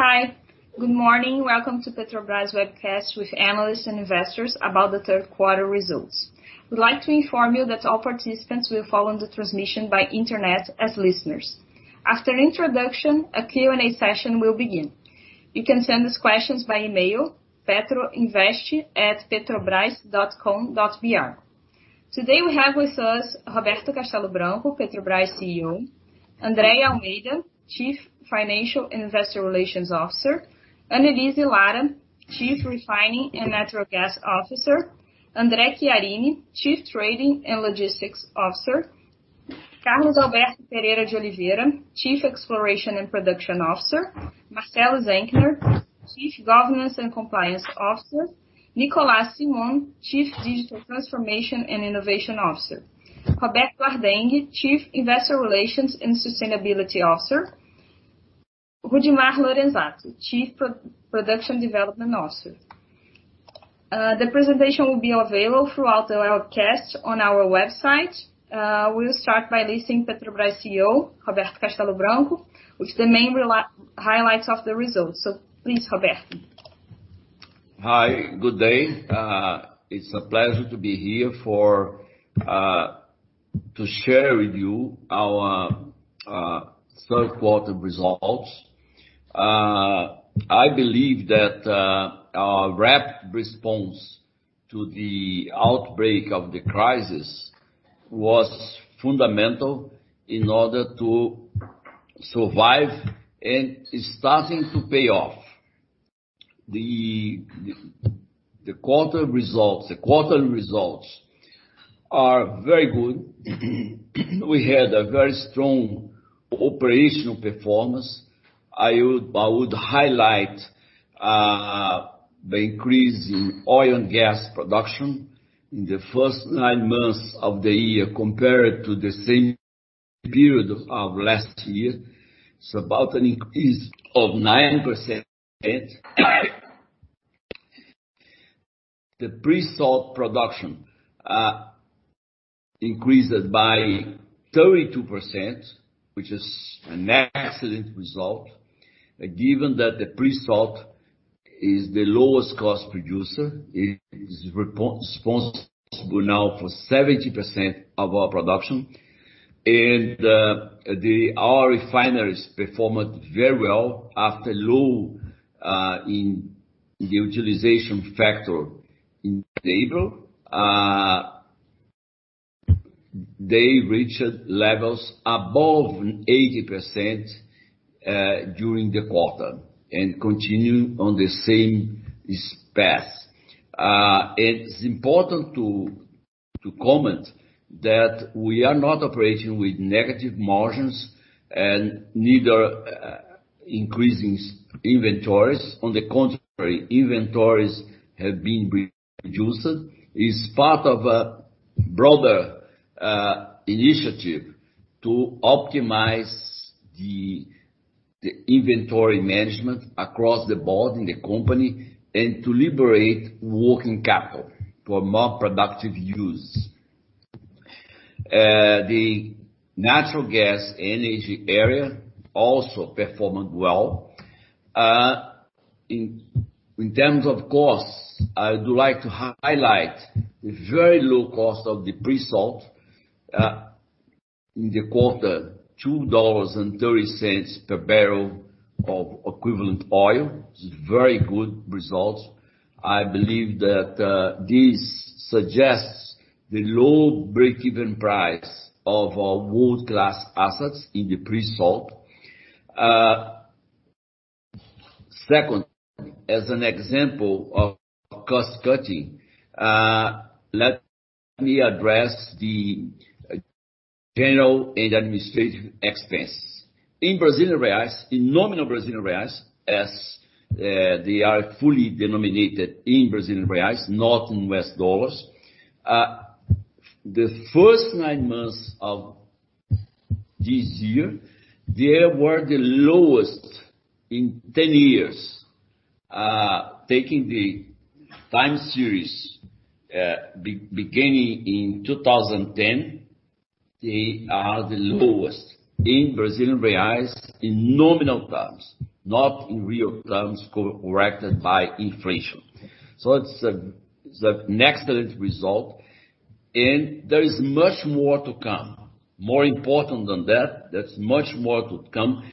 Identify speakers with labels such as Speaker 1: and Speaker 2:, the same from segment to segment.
Speaker 1: Hi, good morning. Welcome to Petrobras webcast with analysts and investors about the third quarter results. We'd like to inform you that all participants will follow the transmission by internet as listeners. After introduction, a Q&A session will begin. You can send us questions by email, petroinvest@petrobras.com.br. Today we have with us, Roberto Castello Branco, Petrobras CEO, Andrea Almeida, Chief Financial and Investor Relations Officer, Anelise Lara, Chief Refining and Natural Gas Officer, Andre Chiarini, Chief Trading and Logistics Officer, Carlos Alberto Pereira de Oliveira, Chief Exploration and Production Officer, Marcelo Zenkner, Chief Governance and Compliance Officer, Nicolás Simone, Chief Digital Transformation and Innovation Officer, Roberto Ardenghy, Chief Institutional Relations and Sustainability Officer, Rudimar Lorenzatto, Chief Production Development Officer. The presentation will be available throughout the webcast on our website. We'll start by listening Petrobras CEO, Roberto Castello Branco, with the main highlights of the results. Please, Roberto.
Speaker 2: Hi, good day. It's a pleasure to be here to share with you our third quarter results. I believe that our rapid response to the outbreak of the crisis was fundamental in order to survive, and it's starting to pay off. The quarter results are very good. We had a very strong operational performance. I would highlight the increase in oil and gas production in the first nine months of the year compared to the same period of last year. It's about an increase of 9%. The pre-salt production increased by 32%, which is an excellent result, given that the pre-salt is the lowest cost producer. It is responsible now for 70% of our production. Our refineries performed very well after low in the utilization factor in April. They reached levels above 80% during the quarter and continue on the same path. It is important to comment that we are not operating with negative margins and neither increasing inventories. On the contrary, inventories have been reduced. It is part of a broader initiative to optimize the inventory management across the board in the company, and to liberate working capital for more productive use. The natural gas energy area also performed well. In terms of costs, I would like to highlight the very low cost of the pre-salt. In the quarter, $2.30 per barrel of equivalent oil. This is very good results. I believe that this suggests the low break-even price of our world-class assets in the pre-salt. Second, as an example of cost-cutting, let me address the general and administrative expense. In nominal Brazilian reais, as they are fully denominated in Brazilian reais, not in U.S. dollars. The first nine months of this year, they were the lowest in 10 years. Taking the time series, beginning in 2010, they are the lowest in Brazilian reais in nominal terms, not in real terms corrected by inflation. It's an excellent result, and there is much more to come. More important than that, there's much more to come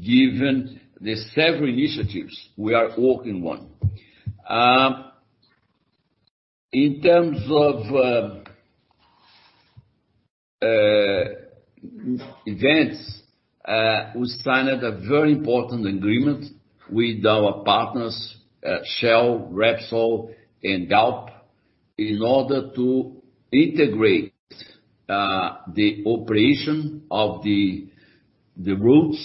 Speaker 2: given the several initiatives we are working on. In terms of events, we signed a very important agreement with our partners, Shell, Repsol, and Galp, in order to integrate the operation of the Rota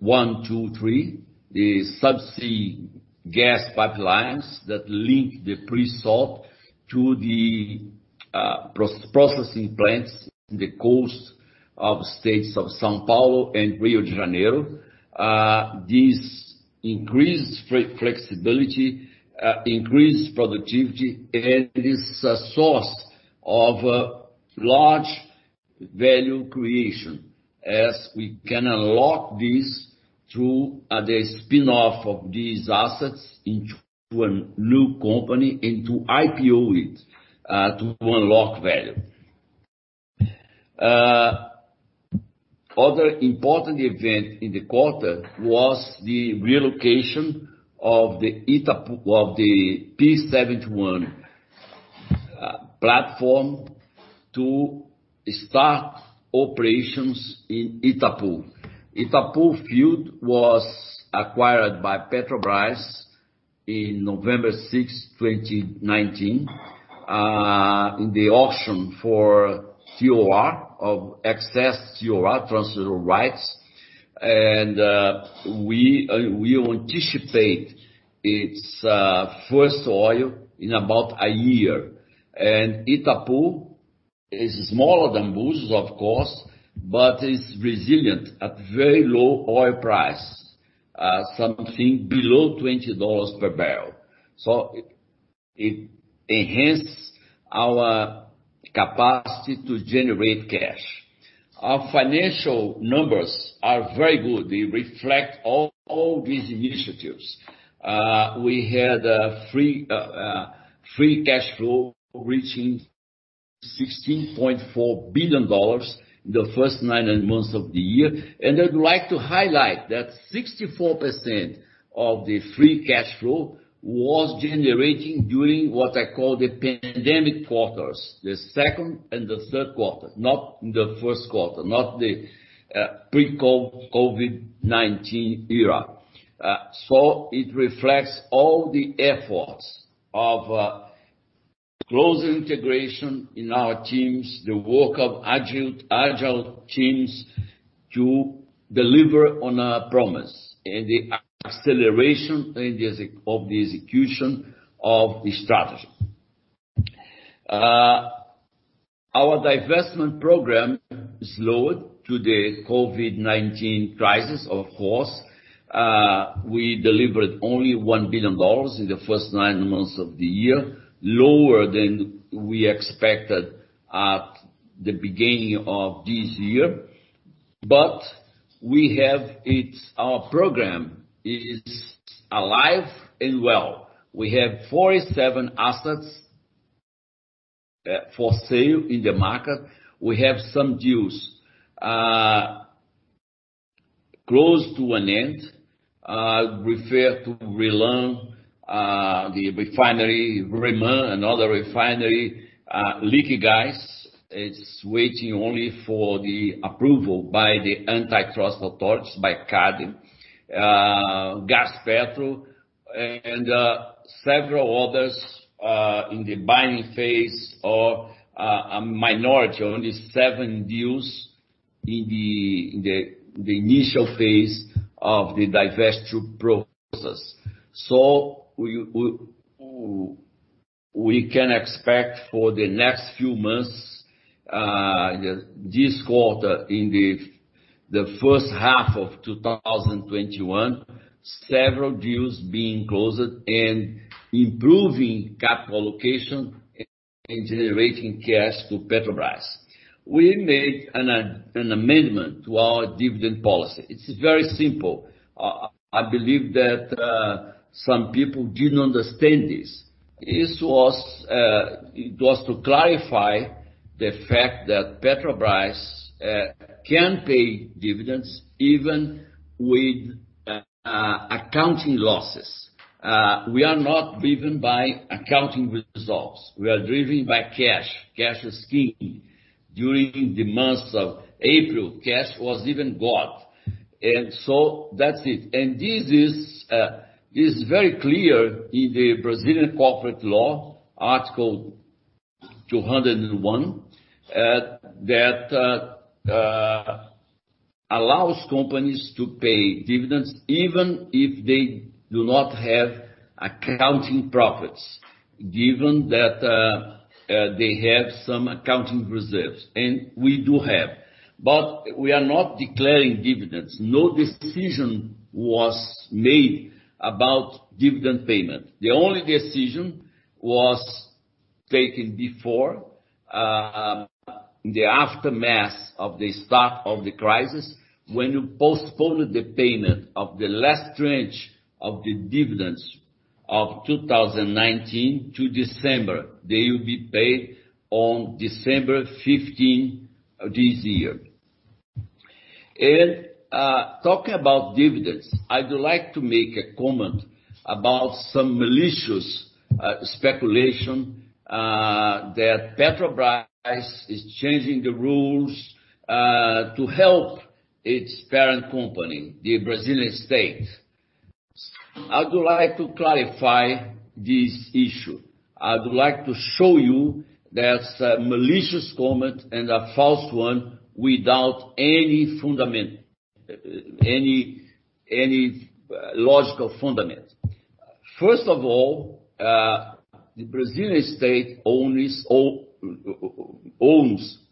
Speaker 2: 1, 2, 3, the subsea gas pipelines that link the pre-salt to the processing plants in the coast of states of São Paulo and Rio de Janeiro. This increases flexibility, increases productivity, and is a source of large value creation, as we can unlock this through the spin-off of these assets into a new company and to IPO it to unlock value. Other important event in the quarter was the relocation of the P-71 platform to start operations in Itapu. Itapu field was acquired by Petrobras in November 6, 2019, in the auction for OR, of excess TOR, transfer of rights. We anticipate its first oil in about a year. Itapu is smaller than Búzios, of course, but it's resilient at very low oil price, something below $20 per barrel. It enhances our capacity to generate cash. Our financial numbers are very good. They reflect all these initiatives. We had a free cash flow reaching $16.4 billion in the first nine months of the year. I'd like to highlight that 64% of the free cash flow was generating during what I call the pandemic quarters, the second and the third quarter, not in the first quarter, not the pre-COVID-19 era. It reflects all the efforts of close integration in our teams, the work of agile teams to deliver on our promise, and the acceleration of the execution of the strategy. Our divestment program slowed to the COVID-19 crisis, of course. We delivered only $1 billion in the first nine months of the year, lower than we expected at the beginning of this year. Our program is alive and well. We have 47 assets for sale in the market. We have some deals close to an end, refer to RLAM, the refinery, REMAN, another refinery. Liquigás, it's waiting only for the approval by the antitrust authorities, by CADE. Gaspetro, and several others are in the binding phase, or a minority, only seven deals in the initial phase of the divestiture process. We can expect for the next few months, this quarter in the first half of 2021, several deals being closed and improving capital allocation and generating cash to Petrobras. We made an amendment to our dividend policy. It's very simple. I believe that some people didn't understand this. It was to clarify the fact that Petrobras can pay dividends even with accounting losses. We are not driven by accounting results. We are driven by cash. Cash is king. During the months of April, cash was even god. That's it. This is very clear in the Brazilian corporate law, Article 201, that allows companies to pay dividends even if they do not have accounting profits, given that they have some accounting reserves, and we do have. We are not declaring dividends. No decision was made about dividend payment. The only decision was taken before, in the aftermath of the start of the crisis, when we postponed the payment of the last tranche of the dividends of 2019 to December. They will be paid on December 15 of this year. Talking about dividends, I'd like to make a comment about some malicious speculation that Petrobras is changing the rules to help its parent company, the Brazilian state. I'd like to clarify this issue. I'd like to show you that's a malicious comment and a false one without any logical fundament. First of all, the Brazilian state owns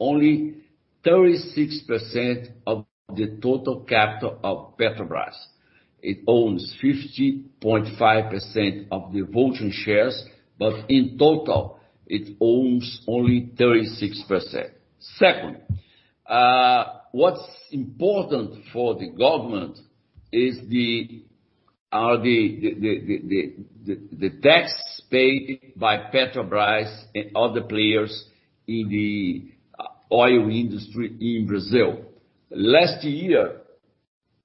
Speaker 2: only 36% of the total capital of Petrobras. It owns 50.5% of the voting shares, but in total it owns only 36%. Second, what's important for the government are the tax paid by Petrobras and other players in the oil industry in Brazil. Last year,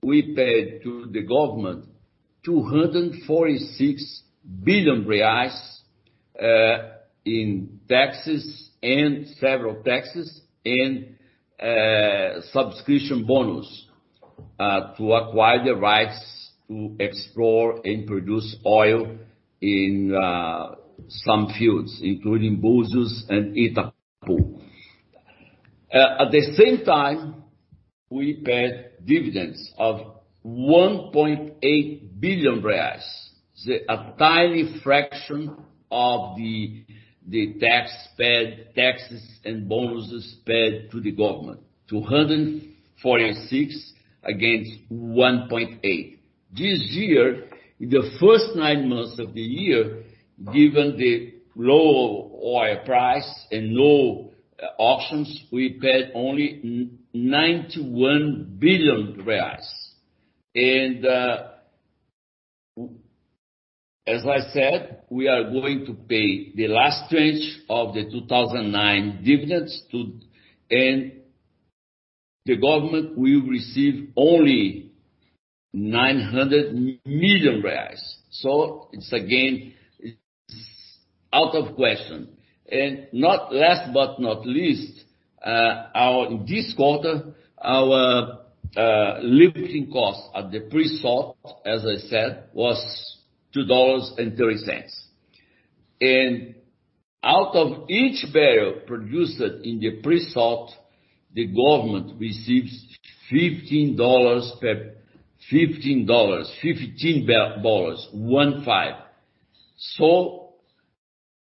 Speaker 2: we paid to the government 246 billion reais in several taxes and subscription bonus, to acquire the rights to explore and produce oil in some fields, including Búzios and Itapu. At the same time, we paid dividends of 1.8 billion reais, a tiny fraction of the taxes and bonuses paid to the government, 246 billion against 1.8 billion. This year, in the first nine months of the year, given the low oil price and low auctions, we paid only 91 billion reais. As I said, we are going to pay the last tranche of the 2019 dividends, and the government will receive only BRL 900 million. It's, again, out of question. Not last but not least, this quarter, our lifting cost at the pre-salt, as I said, was $2.30. Out of each barrel produced in the pre-salt, the government receives $15. $15, one, five.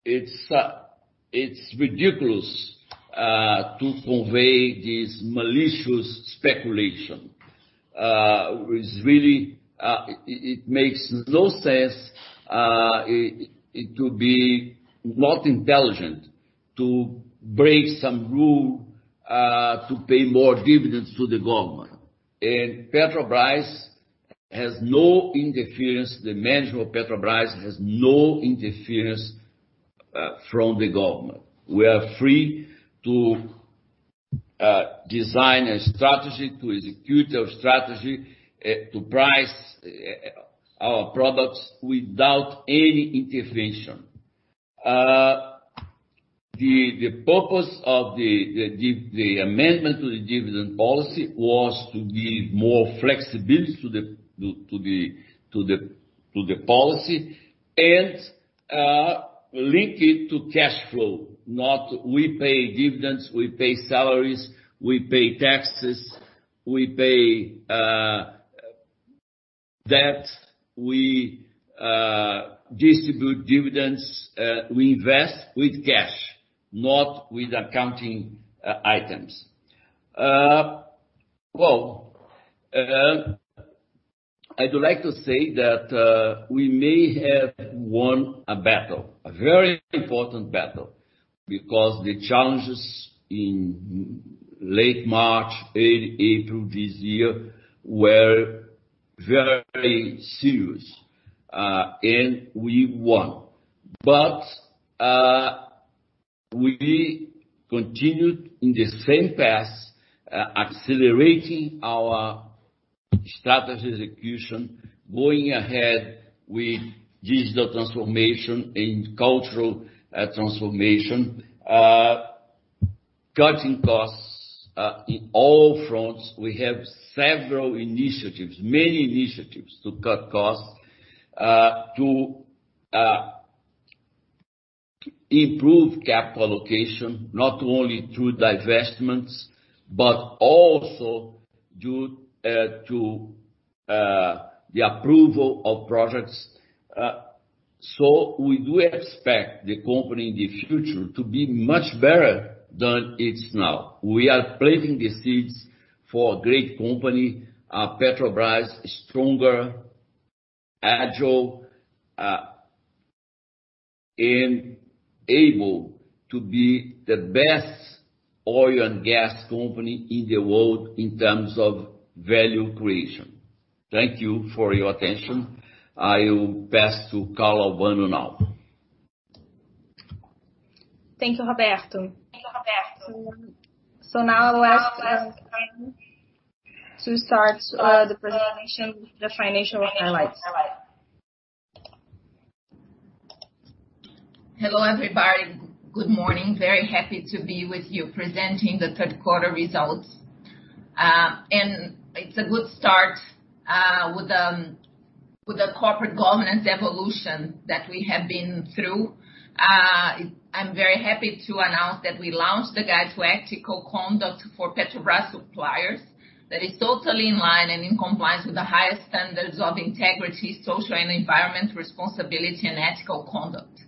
Speaker 2: It's ridiculous to convey this malicious speculation. It makes no sense, it would be not intelligent to break some rule to pay more dividends to the government. Petrobras has no interference, the management of Petrobras has no interference from the government. We are free to design a strategy, to execute our strategy, to price our products without any intervention. The purpose of the amendment to the dividend policy was to give more flexibility to the policy and link it to cash flow, not We pay dividends, we pay salaries, we pay taxes, we pay debts, we distribute dividends, we invest with cash, not with accounting items. I'd like to say that we may have won a battle, a very important battle, because the challenges in late March, April this year were very serious, and we won. We continued in the same path, accelerating our strategy execution, going ahead with digital transformation and cultural transformation, cutting costs, in all fronts. We have several initiatives, many initiatives to cut costs, to improve capital allocation, not only through divestments, but also due to the approval of projects. We do expect the company in the future to be much better than it is now. We are planting the seeds for a great company, Petrobras, stronger, agile, and able to be the best oil and gas company in the world in terms of value creation. Thank you for your attention. I will pass to Carla Albano now.
Speaker 1: Thank you, Roberto. Now I'll ask Carla to start the presentation, the financial highlights.
Speaker 3: Hello, everybody. Good morning. Very happy to be with you presenting the third quarter results. It's a good start with the corporate governance evolution that we have been through. I'm very happy to announce that we launched the Guide to Ethical Conduct for Petrobras suppliers that is totally in line and in compliance with the highest standards of integrity, social and environmental responsibility, and ethical conduct.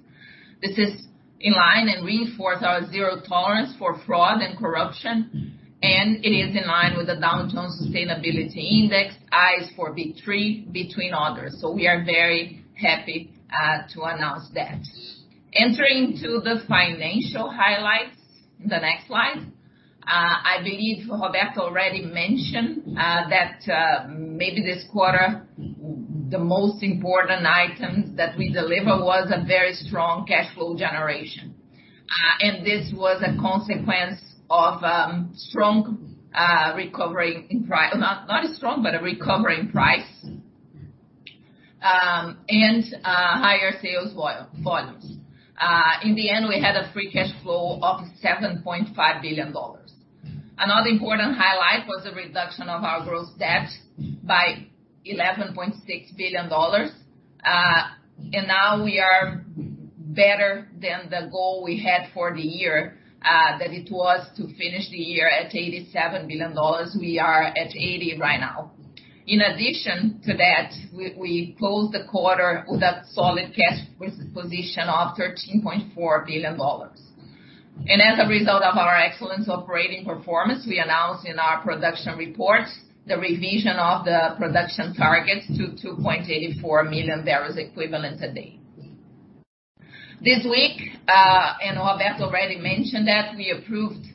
Speaker 3: This is in line and reinforce our zero tolerance for fraud and corruption, and it is in line with the Dow Jones Sustainability Index, ISE for B3 between others. We are very happy to announce that. Entering to the financial highlights, the next slide. I believe Roberto already mentioned that maybe this quarter, the most important item that we deliver was a very strong cash flow generation. This was a consequence of strong recovering price, not strong, but a recovering price, and higher sales volumes. In the end, we had a free cash flow of $7.5 billion. Another important highlight was the reduction of our gross debt by $11.6 billion. Now we are better than the goal we had for the year, that it was to finish the year at $87 billion. We are at $80 right now. In addition to that, we closed the quarter with a solid cash position of $13.4 billion. As a result of our excellent operating performance, we announced in our production reports the revision of the production targets to 2.84 million barrels equivalent a day. This week, Roberto already mentioned that, we approved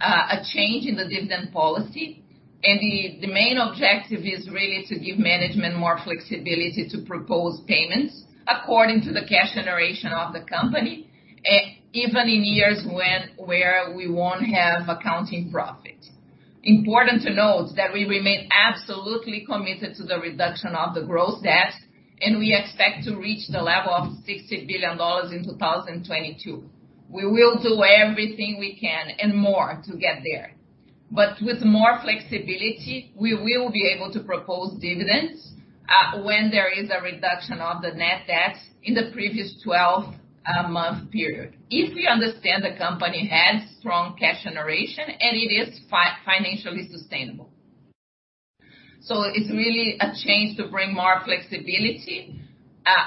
Speaker 3: a change in the dividend policy. The main objective is really to give management more flexibility to propose payments according to the cash generation of the company, even in years where we won't have accounting profit. Important to note that we remain absolutely committed to the reduction of the gross debt, we expect to reach the level of $60 billion in 2022. We will do everything we can and more to get there. With more flexibility, we will be able to propose dividends when there is a reduction of the net debt in the previous 12-month period. If we understand the company has strong cash generation and it is financially sustainable. It's really a change to bring more flexibility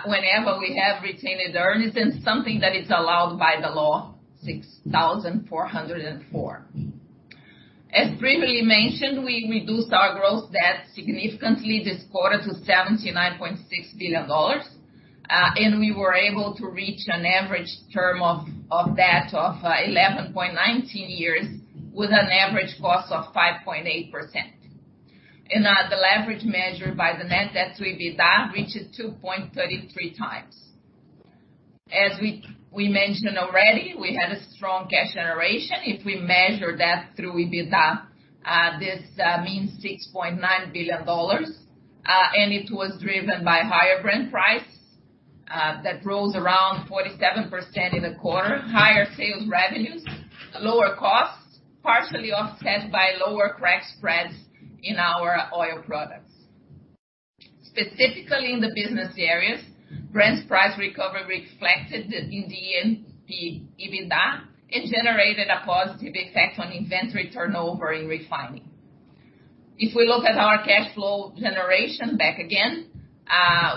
Speaker 3: whenever we have retained earnings and something that is allowed by the law 6,404. As previously mentioned, we reduced our gross debt significantly this quarter to $79.6 billion. We were able to reach an average term of debt of 11.19 years with an average cost of 5.8%. The leverage measure by the net debt to EBITDA reaches 2.33 times. As we mentioned already, we had a strong cash generation. If we measure that through EBITDA, this means $6.9 billion. It was driven by higher Brent price that rose around 47% in the quarter, higher sales revenues, lower costs, partially offset by lower crack spreads in our oil products. Specifically in the business areas, Brent's price recovery reflected in the EBITDA and generated a positive effect on inventory turnover in refining. If we look at our cash flow generation back again,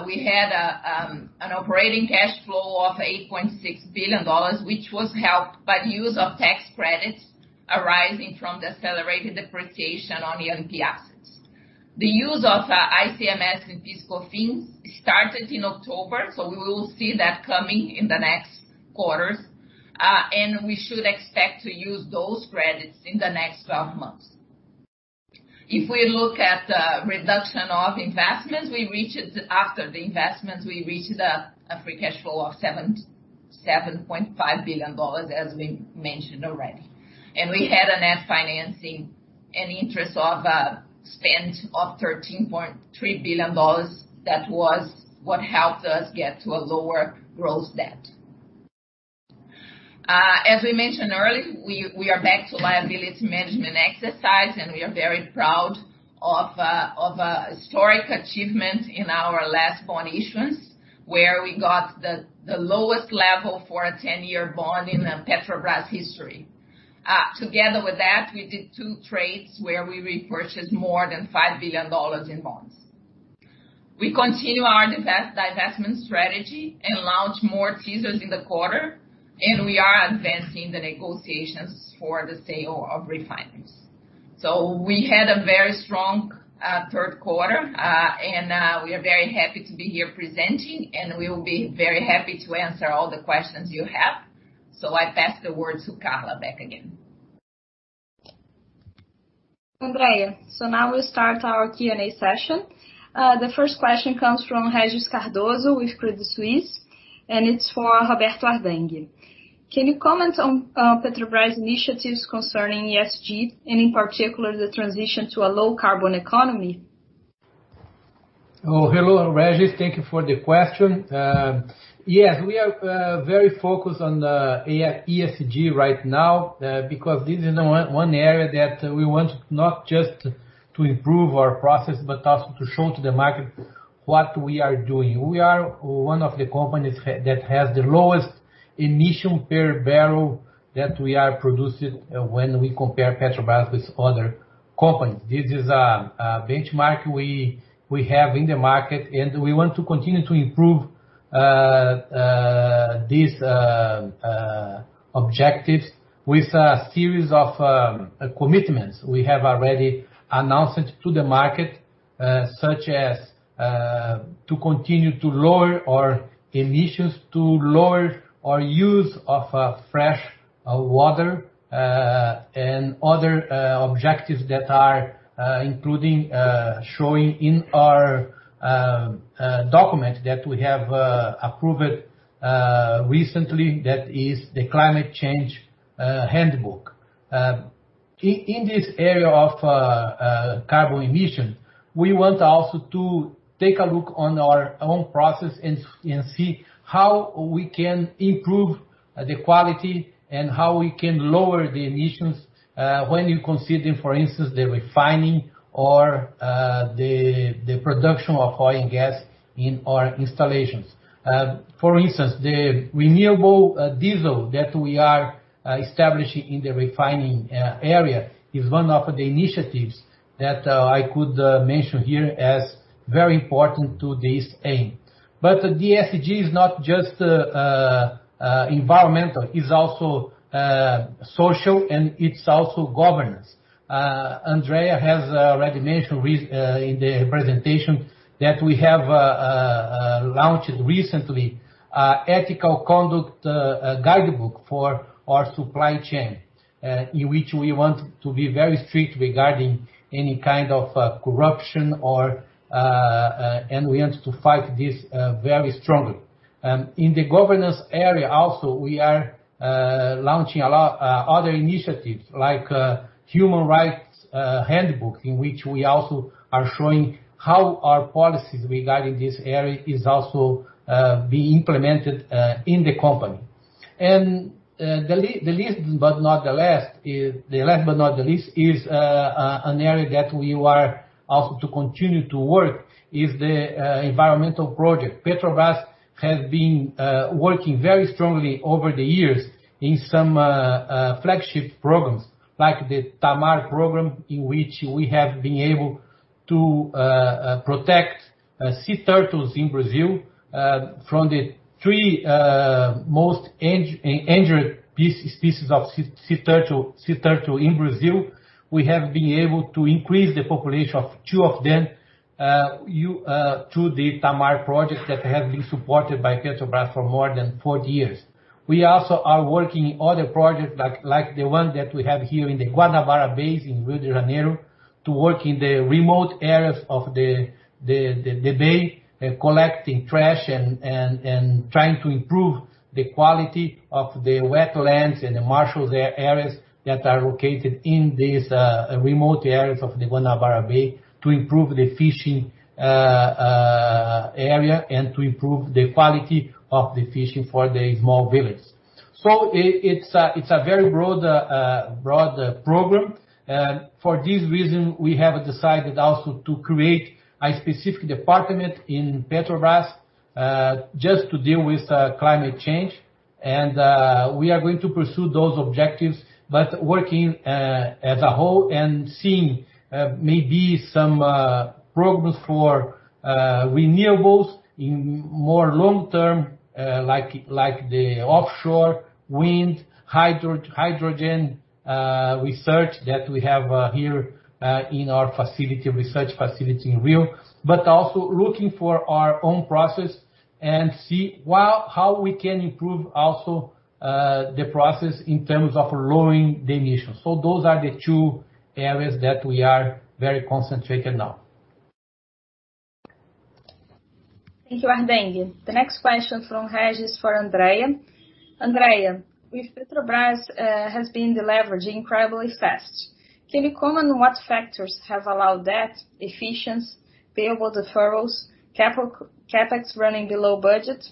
Speaker 3: we had an operating cash flow of $8.6 billion, which was helped by the use of tax credits arising from the accelerated depreciation on E&P assets. The use of ICMS and PIS/COFINS started in October, we will see that coming in the next quarters. We should expect to use those credits in the next 12 months. If we look at reduction of investments, after the investments, we reached a free cash flow of $7.5 billion, as we mentioned already. We had a net financing and interest of a spend of $13.3 billion. That was what helped us get to a lower gross debt. As we mentioned earlier, we are back to liability management exercise, and we are very proud of a historic achievement in our last bond issuance, where we got the lowest level for a 10-year bond in Petrobras history. Together with that, we did two trades where we repurchased more than $5 billion in bonds. We continue our divestment strategy and launched more teasers in the quarter, and we are advancing the negotiations for the sale of refineries. We had a very strong third quarter, and we are very happy to be here presenting, and we will be very happy to answer all the questions you have. I pass the word to Carla back again.
Speaker 1: Andrea. Now we'll start our Q&A session. The first question comes from Regis Cardoso with Credit Suisse, and it's for Roberto Ardenghy. Can you comment on Petrobras initiatives concerning ESG, and in particular, the transition to a low carbon economy?
Speaker 4: Hello, Regis. Thank you for the question. Yes, we are very focused on the ESG right now. This is one area that we want not just to improve our process, but also to show to the market what we are doing. We are one of the companies that has the lowest emission per barrel that we are producing when we compare Petrobras with other oil company. This is a benchmark we have in the market. We want to continue to improve these objectives with a series of commitments we have already announced to the market, such as to continue to lower our emissions, to lower our use of fresh water, and other objectives that are including showing in our document that we have approved recently, that is the Climate Change Notebook. In this area of carbon emission, we want also to take a look on our own process and see how we can improve the quality and how we can lower the emissions, when you consider, for instance, the refining or the production of oil and gas in our installations. For instance, the renewable diesel that we are establishing in the refining area is one of the initiatives that I could mention here as very important to this aim. The ESG is not just environmental, it is also social, and it is also governance. Andrea has already mentioned in the presentation that we have launched recently Guide to Ethical Conduct for our supply chain, in which we want to be very strict regarding any kind of corruption or. We want to fight this very strongly. In the governance area also, we are launching a lot other initiatives, like human rights handbook, in which we also are showing how our policies regarding this area is also being implemented in the company. The last but not the least is an area that we are also to continue to work, is the environmental project. Petrobras has been working very strongly over the years in some flagship programs, like the Tamar program, in which we have been able to protect sea turtles in Brazil. From the three most endangered species of sea turtle in Brazil, we have been able to increase the population of two of them, through the Tamar project that have been supported by Petrobras for more than 40 years. We also are working in other projects, like the one that we have here in the Guanabara Bay, in Rio de Janeiro, to work in the remote areas of the bay, collecting trash and trying to improve the quality of the wetlands and the marsh areas that are located in these remote areas of the Guanabara Bay, to improve the fishing area and to improve the quality of the fishing for the small village. It's a very broad program. For this reason, we have decided also to create a specific department in Petrobras, just to deal with climate change. We are going to pursue those objectives, but working as a whole and seeing maybe some progress for renewables in more long-term, like the offshore wind, hydrogen research that we have here in our research facility in Rio. Also looking for our own process and see how we can improve also the process in terms of lowering the emissions. Those are the two areas that we are very concentrated now.
Speaker 1: Thank you, Ardenghy. The next question from Regis for Andrea. Andrea, with Petrobras has been deleveraging incredibly fast, can you comment on what factors have allowed that? Efficiency, payable deferrals, CapEx running below budget?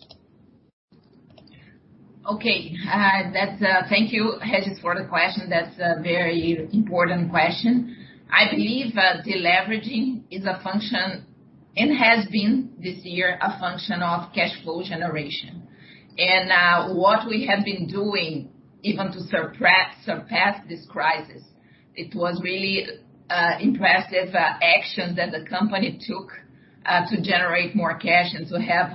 Speaker 3: Okay. Thank you, Regis, for the question. That is a very important question. I believe deleveraging is a function, and has been this year, a function of cash flow generation. What we have been doing, even to surpass this crisis, it was really impressive action that the company took, to generate more cash and to have,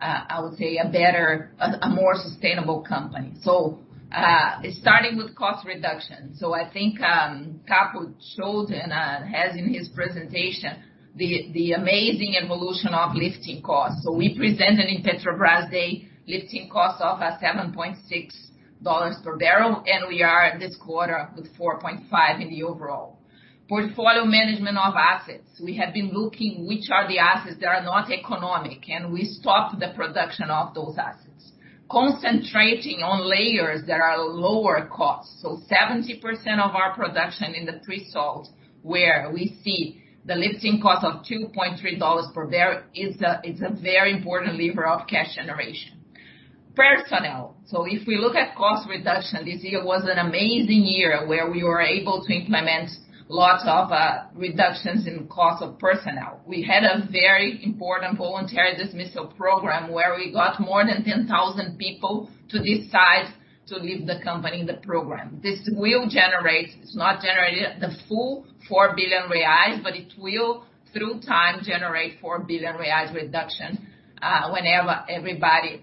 Speaker 3: I would say, a better, a more sustainable company. Starting with cost reduction. I think Capo showed and has in his presentation, the amazing evolution of lifting costs. We presented in Petrobras Day, lifting costs of $7.6 per barrel, and we are this quarter with $4.5 in the overall. Portfolio management of assets. We have been looking which are the assets that are not economic, and we stopped the production of those assets. Concentrating on layers that are lower cost. 70% of our production in the pre-salt, where we see the lifting cost of $2.3 per barrel, it's a very important lever of cash generation. Personnel. If we look at cost reduction, this year was an amazing year where we were able to implement lots of reductions in cost of personnel. We had a very important voluntary dismissal program where we got more than 10,000 people to decide to leave the company in the program. This will generate, it's not generated the full 4 billion reais, but it will, through time, generate 4 billion reais reduction whenever everybody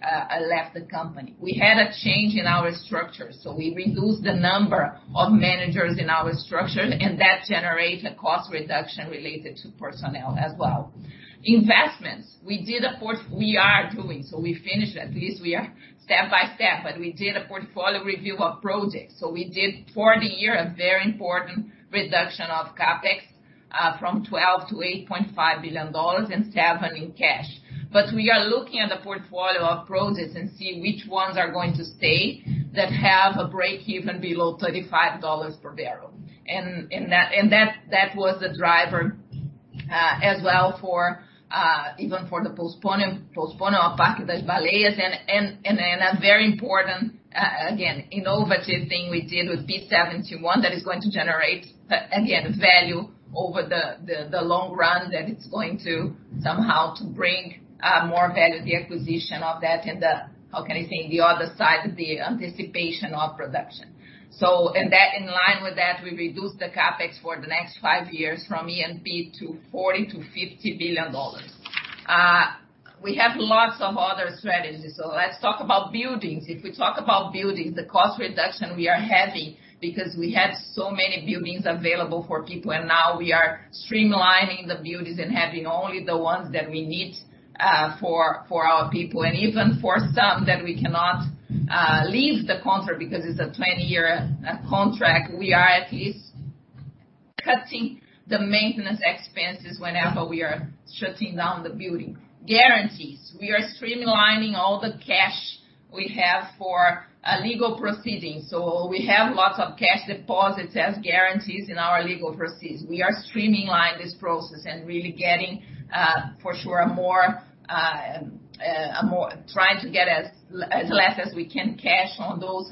Speaker 3: left the company. We had a change in our structure, so we reduced the number of managers in our structure, and that generated cost reduction related to personnel as well. Investments. We are doing, so we finished at least we are step by step, but we did a portfolio review of projects. We did, for the year, a very important reduction of CapEx from $12 billion-$8.5 billion and $7 billion in cash. We are looking at the portfolio of projects and see which ones are going to stay that have a breakeven below $35 per barrel. That was the driver as well even for the postponement of Parque das Baleias, and a very important, again, innovative thing we did with P-71 that is going to generate, again, value over the long run, that it's going to somehow to bring more value, the acquisition of that and the, how can I say, the other side of the anticipation of production. In line with that, we reduced the CapEx for the next five years from E&P to $40 billion-$50 billion. We have lots of other strategies. Let's talk about buildings. If we talk about buildings, the cost reduction we are having, because we had so many buildings available for people, and now we are streamlining the buildings and having only the ones that we need for our people. Even for some that we cannot leave the contract because it's a 20-year contract, we are at least cutting the maintenance expenses whenever we are shutting down the building. Guarantees. We are streamlining all the cash we have for legal proceedings. We have lots of cash deposits as guarantees in our legal proceedings. We are streamlining this process, trying to get as less as we can cash on those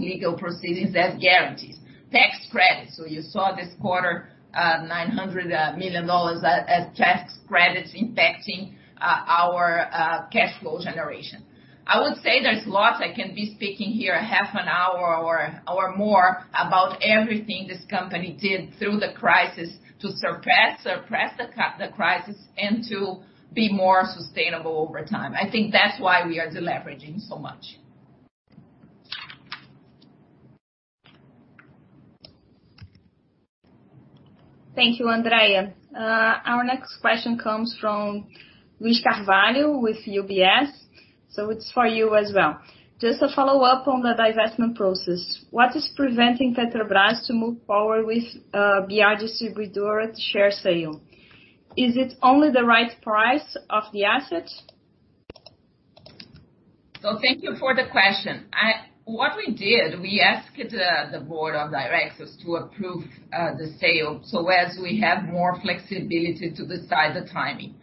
Speaker 3: legal proceedings as guarantees. Tax credits. You saw this quarter, $900 million as tax credits impacting our cash flow generation. I would say there's lots. I can be speaking here a half an hour or more about everything this company did through the crisis to surpass the crisis and to be more sustainable over time. I think that's why we are deleveraging so much.
Speaker 1: Thank you, Andrea. Our next question comes from Luiz Carvalho with UBS. It's for you as well. Just a follow-up on the divestment process. What is preventing Petrobras to move forward with BR Distribuidora share sale? Is it only the right price of the asset?
Speaker 3: Thank you for the question. What we did, we asked the board of directors to approve the sale, so as we have more flexibility to decide the timing.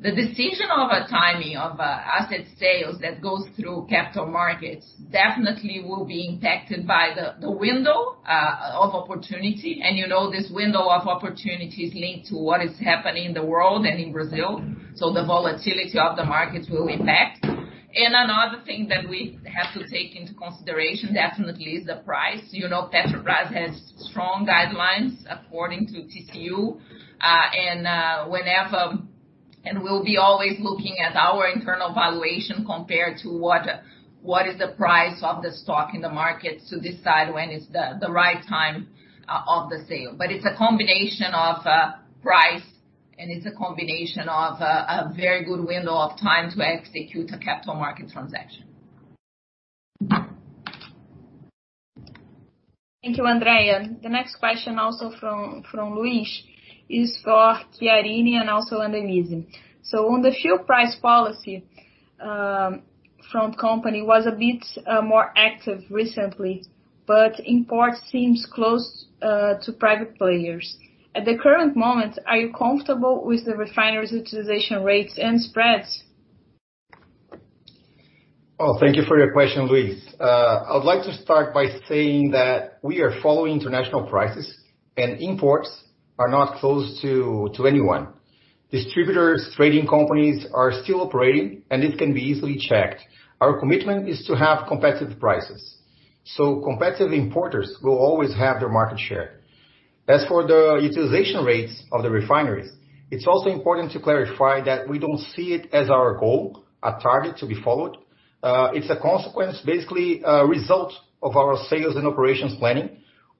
Speaker 3: The decision of a timing of asset sales that goes through capital markets definitely will be impacted by the window of opportunity. You know this window of opportunity is linked to what is happening in the world and in Brazil. The volatility of the markets will impact. Another thing that we have to take into consideration definitely is the price. Petrobras has strong guidelines according to TCU. We'll be always looking at our internal valuation compared to what is the price of the stock in the market to decide when is the right time of the sale. It's a combination of price and it's a combination of a very good window of time to execute a capital market transaction.
Speaker 1: Thank you, Andrea. The next question also from Luiz is for Chiarini and also Anelise. On the fuel price policy, Petrobras was a bit more active recently, but imports seems close to private players. At the current moment, are you comfortable with the refinery's utilization rates and crack spreads?
Speaker 5: Oh, thank you for your question, Luiz. I would like to start by saying that we are following international prices and imports are not closed to anyone. Distributors, trading companies are still operating, and it can be easily checked. Our commitment is to have competitive prices. Competitive importers will always have their market share. As for the utilization rates of the refineries, it's also important to clarify that we don't see it as our goal, a target to be followed. It's a consequence, basically a result of our sales and operations planning,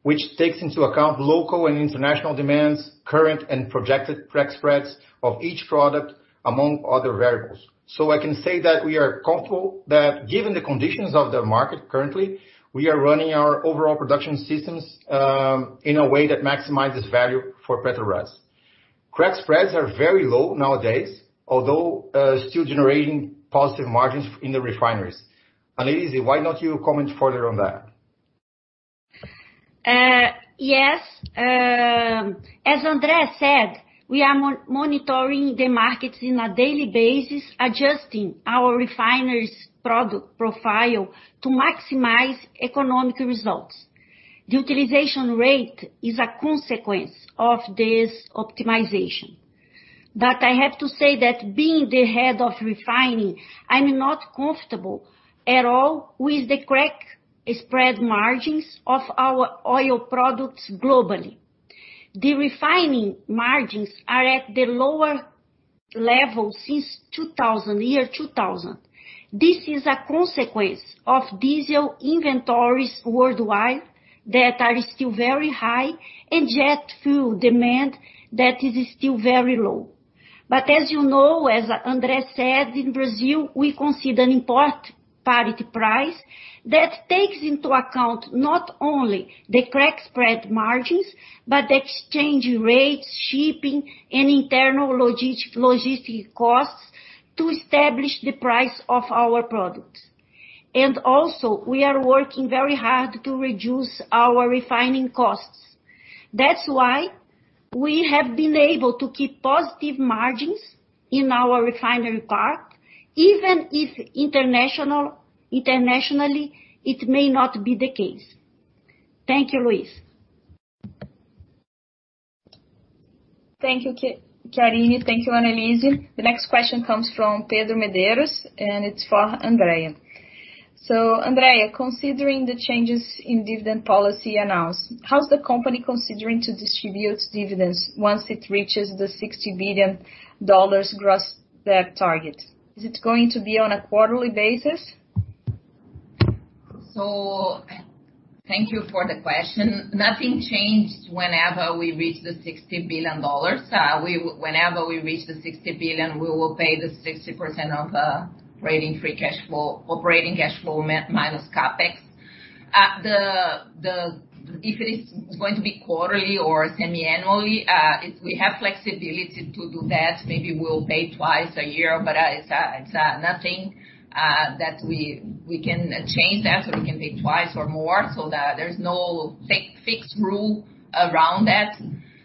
Speaker 5: which takes into account local and international demands, current and projected crack spreads of each product, among other variables. I can say that we are comfortable that given the conditions of the market currently, we are running our overall production systems in a way that maximizes value for Petrobras. Crack spreads are very low nowadays, although still generating positive margins in the refineries. Anelise, why don't you comment further on that?
Speaker 6: Yes. As Andrea said, we are monitoring the markets in a daily basis, adjusting our refinery's product profile to maximize economic results. The utilization rate is a consequence of this optimization. I have to say that being the head of refining, I'm not comfortable at all with the crack spread margins of our oil products globally. The refining margins are at the lower level since year 2000. This is a consequence of diesel inventories worldwide that are still very high and jet fuel demand that is still very low. As you know, as Andrea said, in Brazil, we consider an import parity price that takes into account not only the crack spread margins, but the exchange rates, shipping, and internal logistic costs to establish the price of our products. Also, we are working very hard to reduce our refining costs. That's why we have been able to keep positive margins in our refinery part, even if internationally, it may not be the case. Thank you, Luiz.
Speaker 1: Thank you, Chiarini. Thank you, Anelise. The next question comes from Pedro Medeiros, and it's for Andrea. Andrea, considering the changes in dividend policy announced, how's the company considering to distribute dividends once it reaches the $60 billion gross debt target? Is it going to be on a quarterly basis?
Speaker 3: Thank you for the question. Nothing changed whenever we reach the $60 billion. Whenever we reach the $60 billion, we will pay the 60% of operating free cash flow, operating cash flow minus CapEx. If it is going to be quarterly or semiannually, we have flexibility to do that. Maybe we'll pay twice a year, but it's nothing that we can change that, so we can pay twice or more so that there's no fixed rule around that.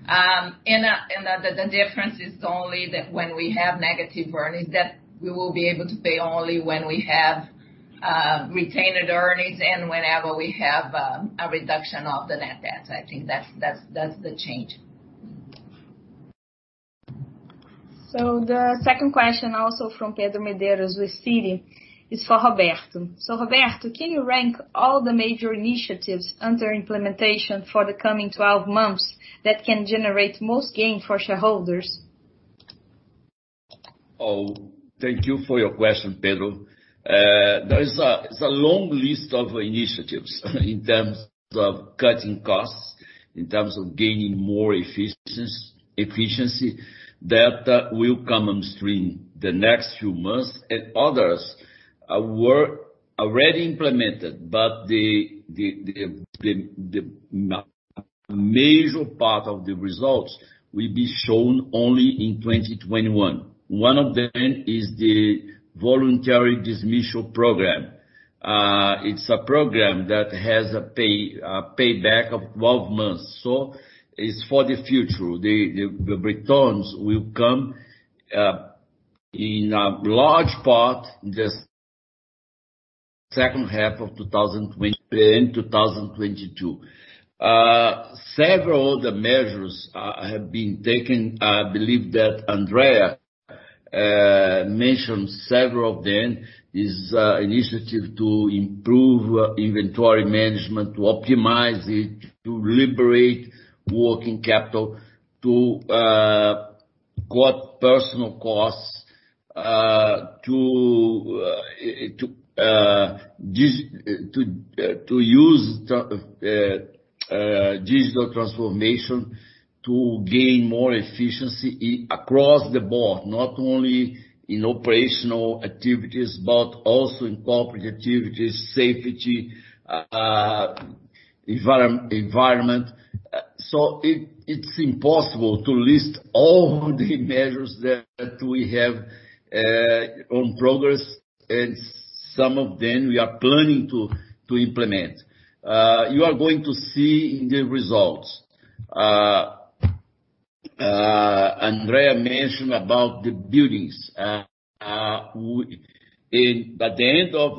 Speaker 3: The difference is only that when we have negative earnings, that we will be able to pay only when we have retained earnings and whenever we have a reduction of the net debt. I think that's the change.
Speaker 1: The second question also from Pedro Medeiros with Citigroup is for Roberto. Roberto, can you rank all the major initiatives under implementation for the coming 12 months that can generate most gain for shareholders?
Speaker 2: Thank you for your question, Pedro. There is a long list of initiatives in terms of cutting costs, in terms of gaining more efficiency that will come on stream the next few months, and others were already implemented. The major part of the results will be shown only in 2021. One of them is the Voluntary Dismissal Program. It's a program that has a payback of 12 months. It's for the future. The returns will come in large part in the second half of 2022, end 2022. Several of the measures have been taken. I believe that Andrea mentioned several of them. This initiative to improve inventory management, to optimize it, to liberate working capital, to cut personnel costs, to use digital transformation to gain more efficiency across the board, not only in operational activities but also in corporate activities, safety, environment. It's impossible to list all the measures that we have on progress and some of them we are planning to implement. You are going to see in the results. Andrea mentioned about the buildings. By the end of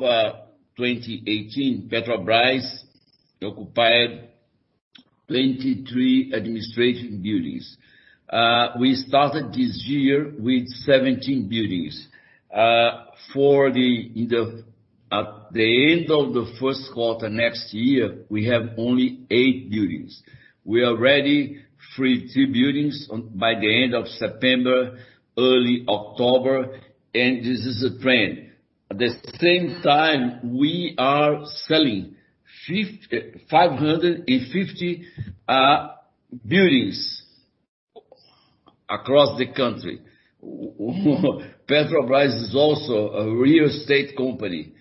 Speaker 2: 2018, Petrobras occupied 23 administration buildings. We started this year with 17 buildings. At the end of the first quarter next year, we have only eight buildings. We already freed two buildings by the end of September, early October, and this is a trend. At the same time, we are selling 550 buildings across the country. Petrobras is also a real estate company.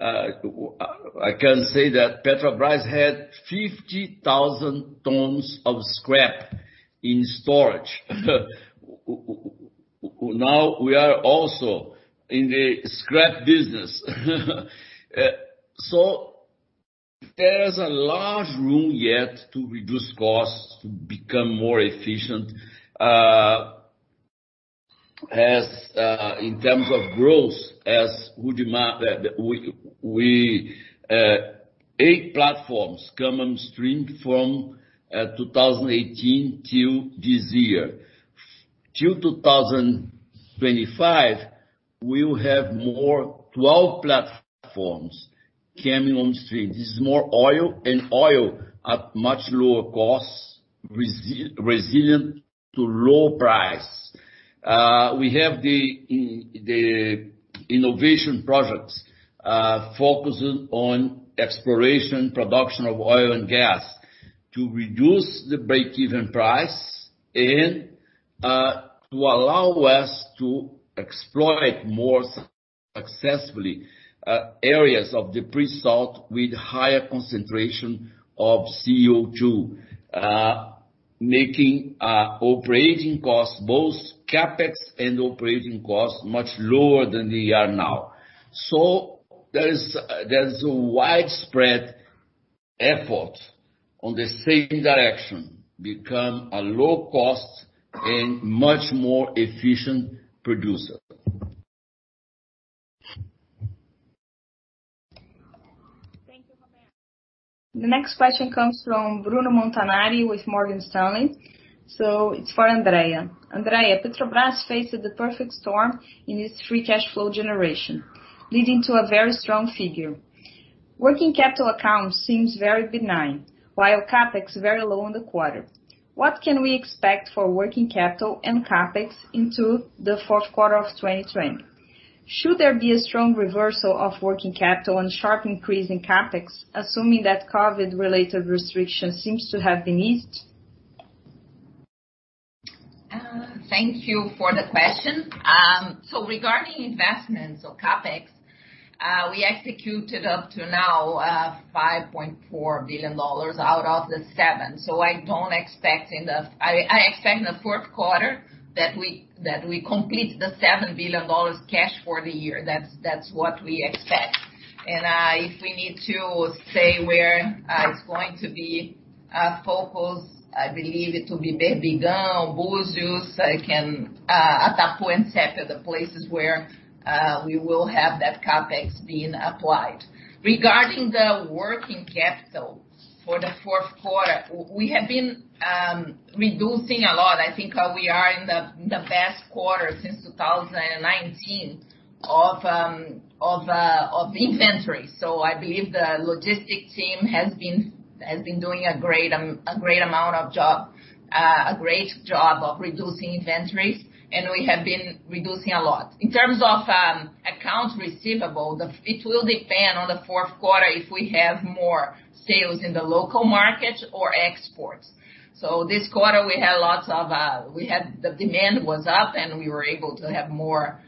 Speaker 2: I can say that Petrobras had 50,000 tons of scrap in storage. Now we are also in the scrap business. There's a large room yet to reduce costs, to become more efficient. In terms of growth, eight platforms coming on stream from 2018 till this year. Till 2025, we will have more 12 platforms coming on stream. This is more oil, and oil at much lower costs, resilient to low price. We have the innovation projects focusing on exploration, production of oil and gas to reduce the break-even price and to allow us to exploit more successfully areas of the pre-salt with higher concentration of CO2, making both CapEx and operating costs much lower than they are now. There is a widespread effort on the same direction, become a low cost and much more efficient producer.
Speaker 1: Thank you, Roberto. The next question comes from Bruno Montanari with Morgan Stanley. It's for Andrea. Andrea, Petrobras faces the perfect storm in its free cash flow generation, leading to a very strong figure. Working capital accounts seems very benign, while CapEx very low in the quarter. What can we expect for working capital and CapEx into the fourth quarter of 2020? Should there be a strong reversal of working capital and sharp increase in CapEx, assuming that COVID-related restrictions seems to have been eased?
Speaker 3: Thank you for the question. Regarding investments or CapEx, we executed up to now $5.4 billion out of the $7 billion. I expect in the fourth quarter that we complete the $7 billion cash for the year. That's what we expect. If we need to say where it's going to be focused, I believe it will be Berbigão, Búzios, Itapu and Sépia, the places where we will have that CapEx being applied. Regarding the working capital for the fourth quarter, we have been reducing a lot. I think we are in the best quarter since 2019 of inventory. I believe the logistic team has been doing a great job of reducing inventories, and we have been reducing a lot. In terms of accounts receivable, it will depend on the fourth quarter if we have more sales in the local market or exports. This quarter, the demand was up, we were able to have more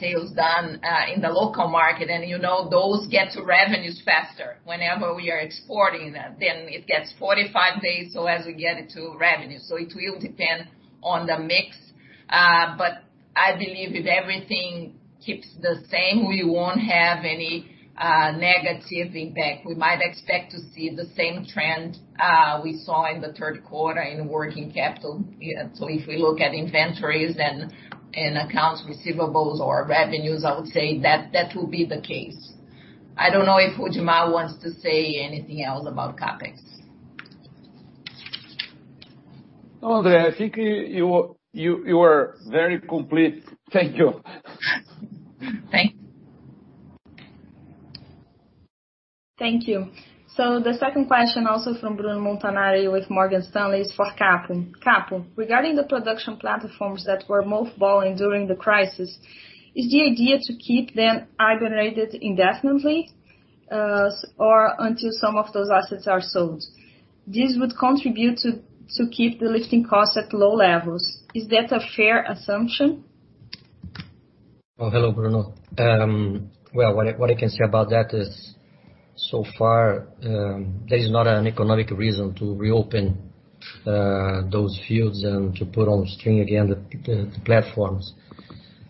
Speaker 3: sales done in the local market. Those get to revenues faster. We are exporting that, it gets 45 days, as we get it to revenue. It will depend on the mix. I believe if everything keeps the same, we won't have any negative impact. We might expect to see the same trend we saw in the third quarter in working capital. If we look at inventories and accounts receivables or revenues, I would say that will be the case. I don't know if Rudimar wants to say anything else about CapEx.
Speaker 7: No, Andrea, I think you were very complete. Thank you.
Speaker 3: Thank you.
Speaker 1: Thank you. The second question, also from Bruno Montanari with Morgan Stanley is for Capo. Capo, regarding the production platforms that were mothballing during the crisis, is the idea to keep them hibernated indefinitely, or until some of those assets are sold? This would contribute to keep the lifting costs at low levels. Is that a fair assumption?
Speaker 8: Oh, hello, Bruno. What I can say about that is so far, there is not an economic reason to reopen those fields and to put on stream again the platforms.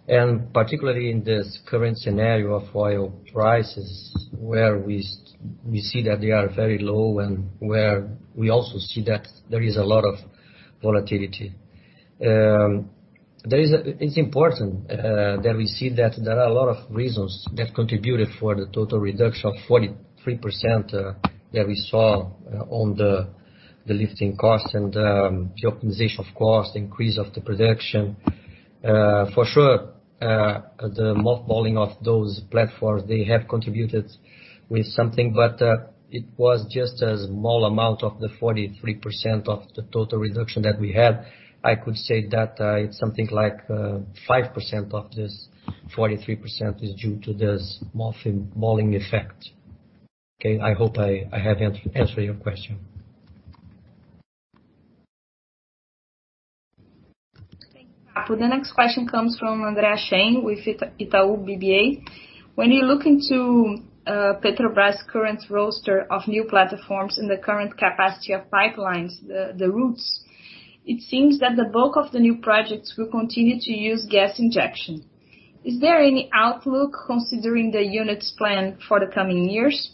Speaker 8: Particularly in this current scenario of oil prices, where we see that they are very low and where we also see that there is a lot of volatility. It's important that we see that there are a lot of reasons that contributed for the total reduction of 43% that we saw on the lifting cost and the optimization of cost, increase of the production. For sure, the mothballing of those platforms, they have contributed with something, but it was just a small amount of the 43% of the total reduction that we had. I could say that it's something like 5% of this 43% is due to this mothballing effect. Okay. I hope I have answered your question.
Speaker 1: Thank you, Capo. The next question comes from André Hachem with Itaú BBA. When you look into Petrobras current roster of new platforms and the current capacity of pipelines, the routes, it seems that the bulk of the new projects will continue to use gas injection. Is there any outlook considering the units plan for the coming years?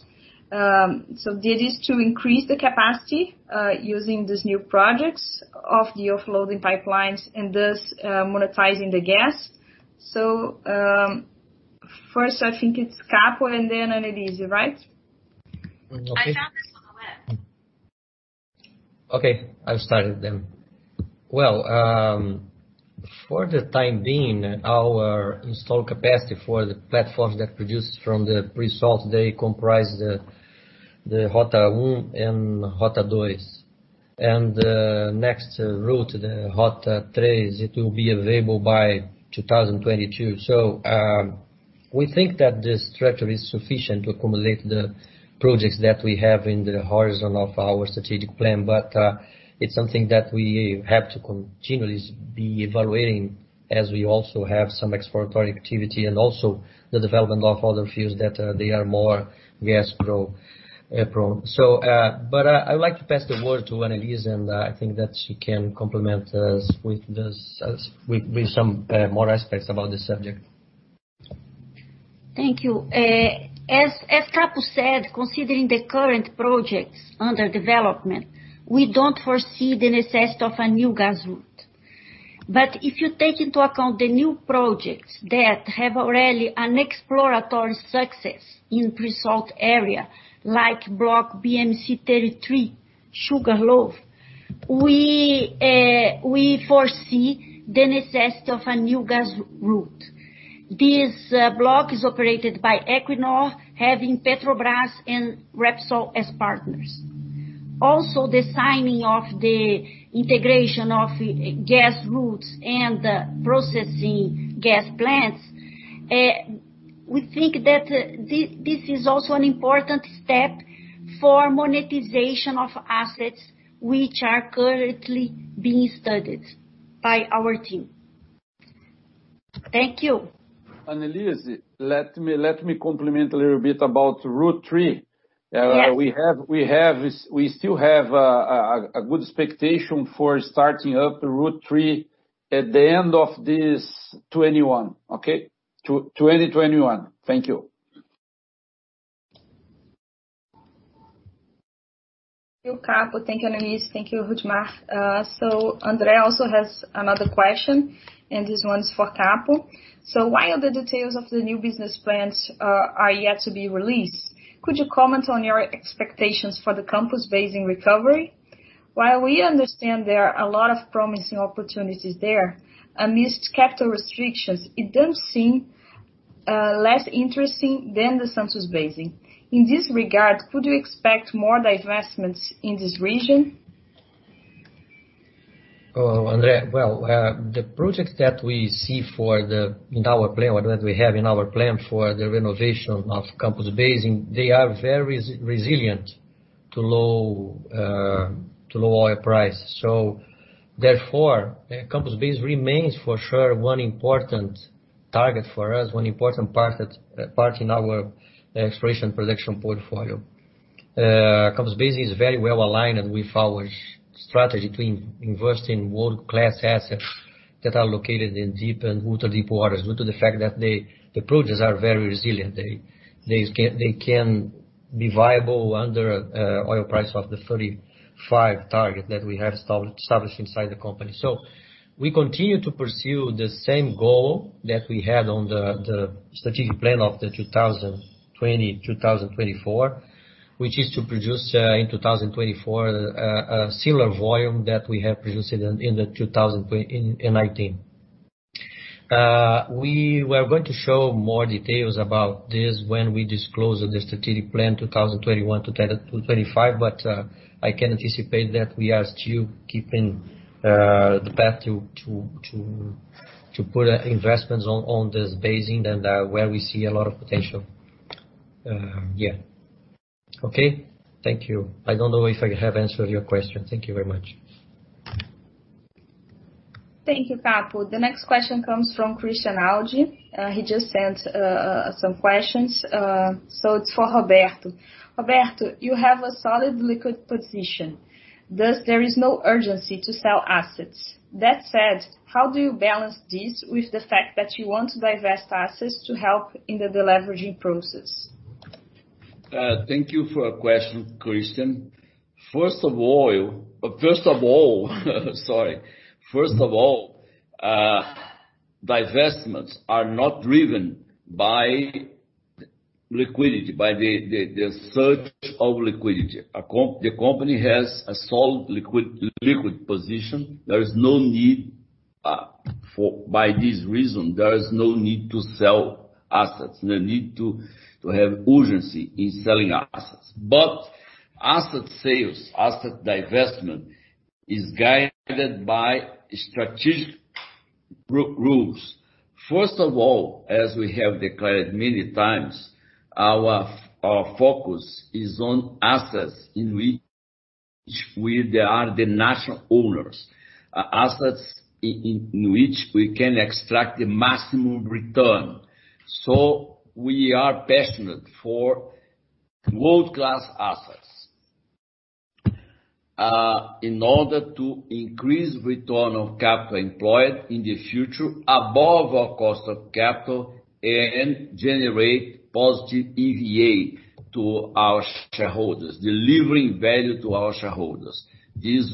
Speaker 1: The idea is to increase the capacity using these new projects of the offloading pipelines and thus monetizing the gas. First I think it's Capo and then Anelise, right?
Speaker 6: I found this on the web.
Speaker 8: Okay, I'll start it then. Well, for the time being, our installed capacity for the platforms that produce from the pre-salt, they comprise the Rota 1 and Rota 2. The next route, the Rota 3, it will be available by 2022. We think that this structure is sufficient to accommodate the projects that we have in the horizon of our strategic plan. It's something that we have to continually be evaluating as we also have some exploratory activity and also the development of other fields that they are more gas prone. I would like to pass the word to Anelise, I think that she can complement us with some more aspects about this subject.
Speaker 6: Thank you. As Capo said, considering the current projects under development, we don't foresee the necessity of a new gas route. If you take into account the new projects that have already an exploratory success in pre-salt area like Block BM-C-33 Sugar Loaf, we foresee the necessity of a new gas route. This block is operated by Equinor, having Petrobras and Repsol as partners. Also, the signing of the integration of gas routes and processing gas plants, we think that this is also an important step for monetization of assets which are currently being studied by our team. Thank you.
Speaker 7: Anelise, let me complement a little bit about Rota 3.
Speaker 6: Yes.
Speaker 7: We still have a good expectation for starting up Rota 3 at the end of this 2021, okay? 2021. Thank you.
Speaker 1: Thank you, Capo. Thank you, Anelise. Thank you, Rudimar. Andre also has another question, and this one's for Capo: "While the details of the new business plans are yet to be released, could you comment on your expectations for the Campos Basin recovery? While we understand there are a lot of promising opportunities there, amidst capital restrictions, it does seem less interesting than the Santos Basin. In this regard, could you expect more divestments in this region?
Speaker 8: Andre, well, the projects that we see in our plan, or that we have in our plan for the renovation of Campos Basin, they are very resilient to low oil price. Therefore, Campos Basin remains for sure one important target for us, one important part in our exploration production portfolio. Campos Basin is very well-aligned with our strategy to invest in world-class assets that are located in deep and ultra-deep waters, due to the fact that the projects are very resilient. They can be viable under oil price of the 35 target that we have established inside the company. We continue to pursue the same goal that we had on the strategic plan of the 2020/2024, which is to produce, in 2024, a similar volume that we have produced in 2019. We are going to show more details about this when we disclose the strategic plan 2021-2025. I can anticipate that we are still keeping the path to put investments on this basin and where we see a lot of potential. Yeah. Okay? Thank you. I don't know if I have answered your question. Thank you very much.
Speaker 1: Thank you, Capo. The next question comes from Christian Audi. He just sent some questions. It's for Roberto. "Roberto, you have a solid liquid position, thus there is no urgency to sell assets. That said, how do you balance this with the fact that you want to divest assets to help in the deleveraging process?
Speaker 2: Thank you for your question, Christian. First of all, divestments are not driven by liquidity, by the search of liquidity. The company has a solid liquid position. There is no need, by this reason, there is no need to sell assets, no need to have urgency in selling assets. Asset sales, asset divestment is guided by strategic rules. First of all, as we have declared many times, our focus is on assets in which we are the natural owners. Assets in which we can extract the maximum return. We are passionate for world-class assets. In order to increase return on capital employed in the future above our cost of capital and generate positive EVA to our shareholders, delivering value to our shareholders. This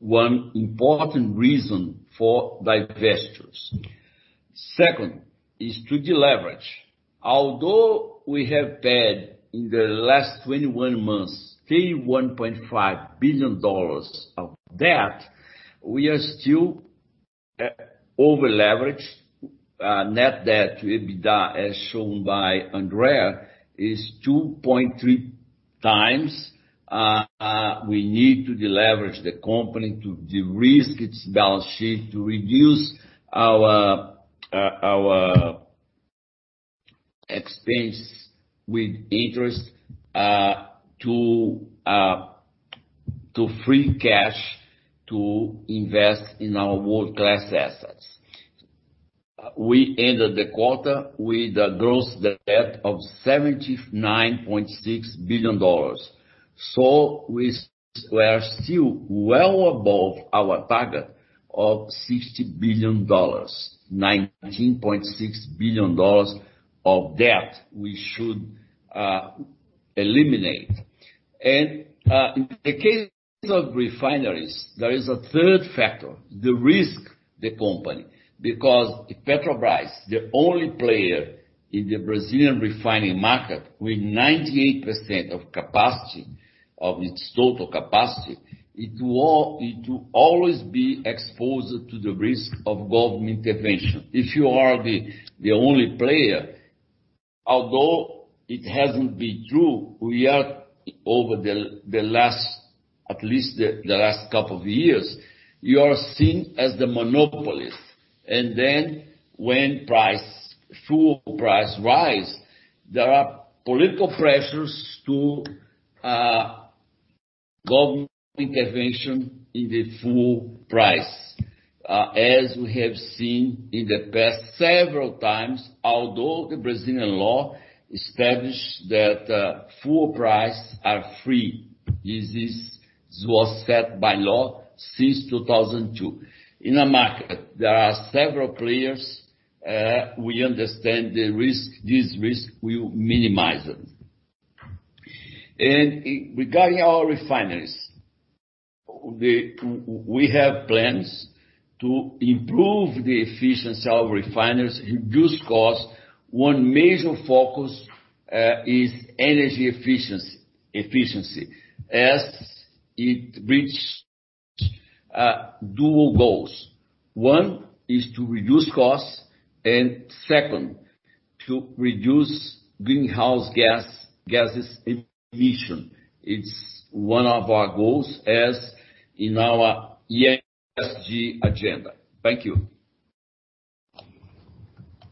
Speaker 2: one important reason for divestitures. Second is to deleverage. Although we have paid in the last 21 months, $31.5 billion of debt, we are still over-leveraged. Net debt EBITDA, as shown by Andrea, is 2.3 times. We need to deleverage the company to de-risk its balance sheet, to reduce our expense with interest to free cash to invest in our world-class assets. We ended the quarter with a gross debt of $79.6 billion. We are still well above our target of $60 billion, $19.6 billion of debt we should eliminate. In the case of refineries, there is a third factor, the risk the company, because if Petrobras, the only player in the Brazilian refining market with 98% of its total capacity, it will always be exposed to the risk of government intervention. If you are the only player, although it hasn't been true, we are over at least the last couple of years, you are seen as the monopolist. When fuel price rise, there are political pressures to government intervention in the fuel price, as we have seen in the past several times, although the Brazilian Law established that fuel prices are free. This was set by law since 2002. In a market, there are several players, we understand this risk, we will minimize it. Regarding our refineries, we have plans to improve the efficiency of refineries, reduce costs. One major focus is energy efficiency as it reach dual goals. One is to reduce costs and second, to reduce greenhouse gases emission. It's one of our goals as in our ESG agenda. Thank you.
Speaker 1: Thank you,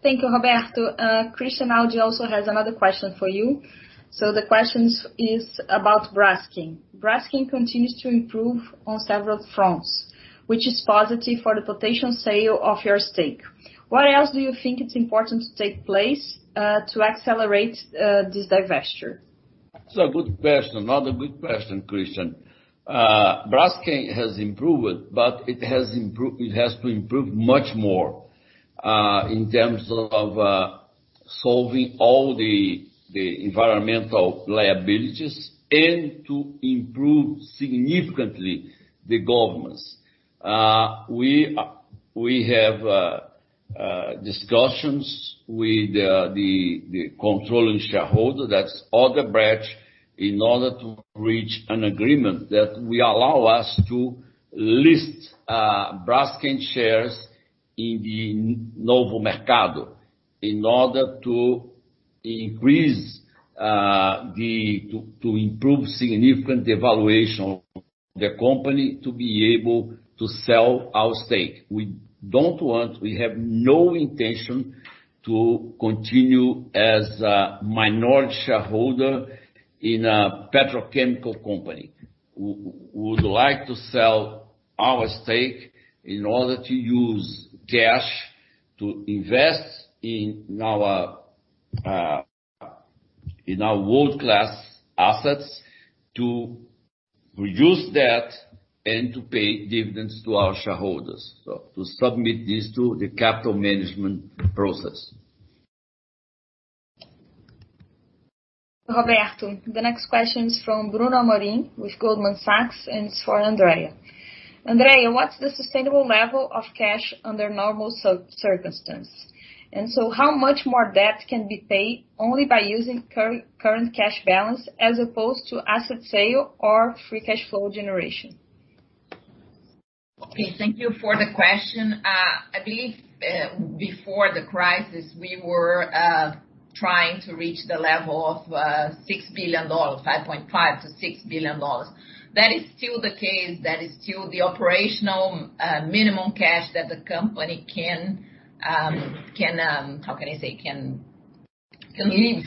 Speaker 1: Roberto. Christian Audi also has another question for you. The question is about Braskem. Braskem continues to improve on several fronts, which is positive for the potential sale of your stake. What else do you think it's important to take place to accelerate this divestiture?
Speaker 2: It's a good question. Another good question, Christian. Braskem has improved, but it has to improve much more, in terms of solving all the environmental liabilities and to improve significantly the governance. We have discussions with the controlling shareholder, that's Odebrecht, in order to reach an agreement that will allow us to list Braskem shares in the Novo Mercado in order to improve significant valuation of the company to be able to sell our stake. We have no intention to continue as a minority shareholder in a petrochemical company. We would like to sell our stake in order to use cash to invest in our world-class assets, to reduce debt, and to pay dividends to our shareholders, to submit this to the capital management process.
Speaker 1: Roberto, the next question is from Bruno Amorim with Goldman Sachs, and it's for Andrea. Andrea, what's the sustainable level of cash under normal circumstances? How much more debt can be paid only by using current cash balance as opposed to asset sale or free cash flow generation?
Speaker 3: Okay, thank you for the question. I believe before the crisis, we were trying to reach the level of $6 billion, $5.5 billion-$6 billion. That is still the case. That is still the operational minimum cash that the company can live.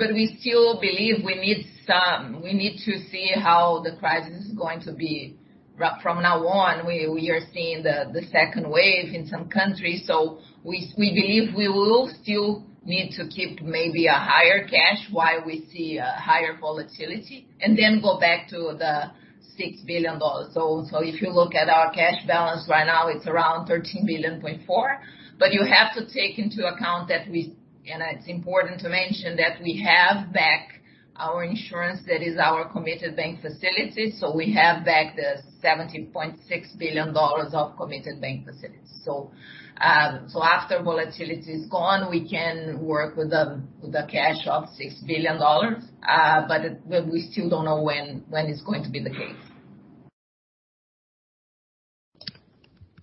Speaker 3: We still believe we need to see how the crisis is going to be. From now on, we are seeing the second wave in some countries. We believe we will still need to keep maybe a higher cash while we see a higher volatility, and then go back to the $6 billion. If you look at our cash balance right now, it's around $13.4 billion. You have to take into account, and it's important to mention, that we have back our insurance, that is our committed bank facility. We have back the $17.6 billion of committed bank facilities. After volatility is gone, we can work with the cash of $6 billion. We still don't know when it's going to be the case.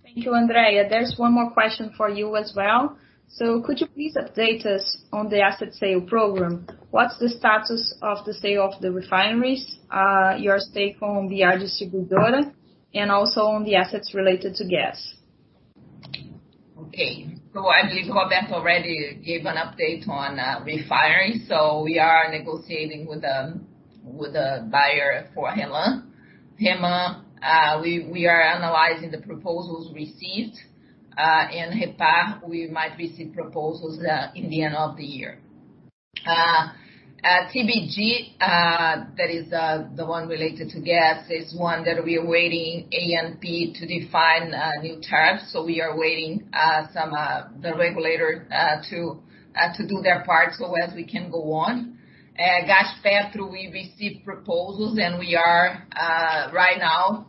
Speaker 1: Thank you, Andrea. There's one more question for you as well. Could you please update us on the asset sale program? What's the status of the sale of the refineries, your stake on BR Distribuidora, and also on the assets related to gas?
Speaker 3: Okay. I believe Roberto already gave an update on refinery. We are negotiating with a buyer for REMAN. REMAN, we are analyzing the proposals received. REPAR, we might receive proposals in the end of the year. TBG, that is the one related to gas, is one that we are waiting ANP to define new terms. We are waiting the regulator to do their part so as we can go on. Gaspetro, we've received proposals, and we are right now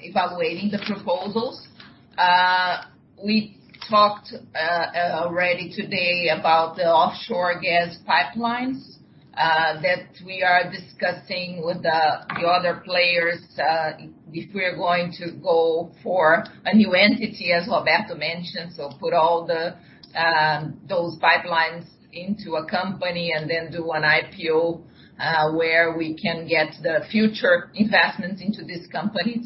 Speaker 3: evaluating the proposals. We talked already today about the offshore gas pipelines, that we are discussing with the other players, if we're going to go for a new entity, as Roberto mentioned. Put all those pipelines into a company and then do an IPO, where we can get the future investments into this company.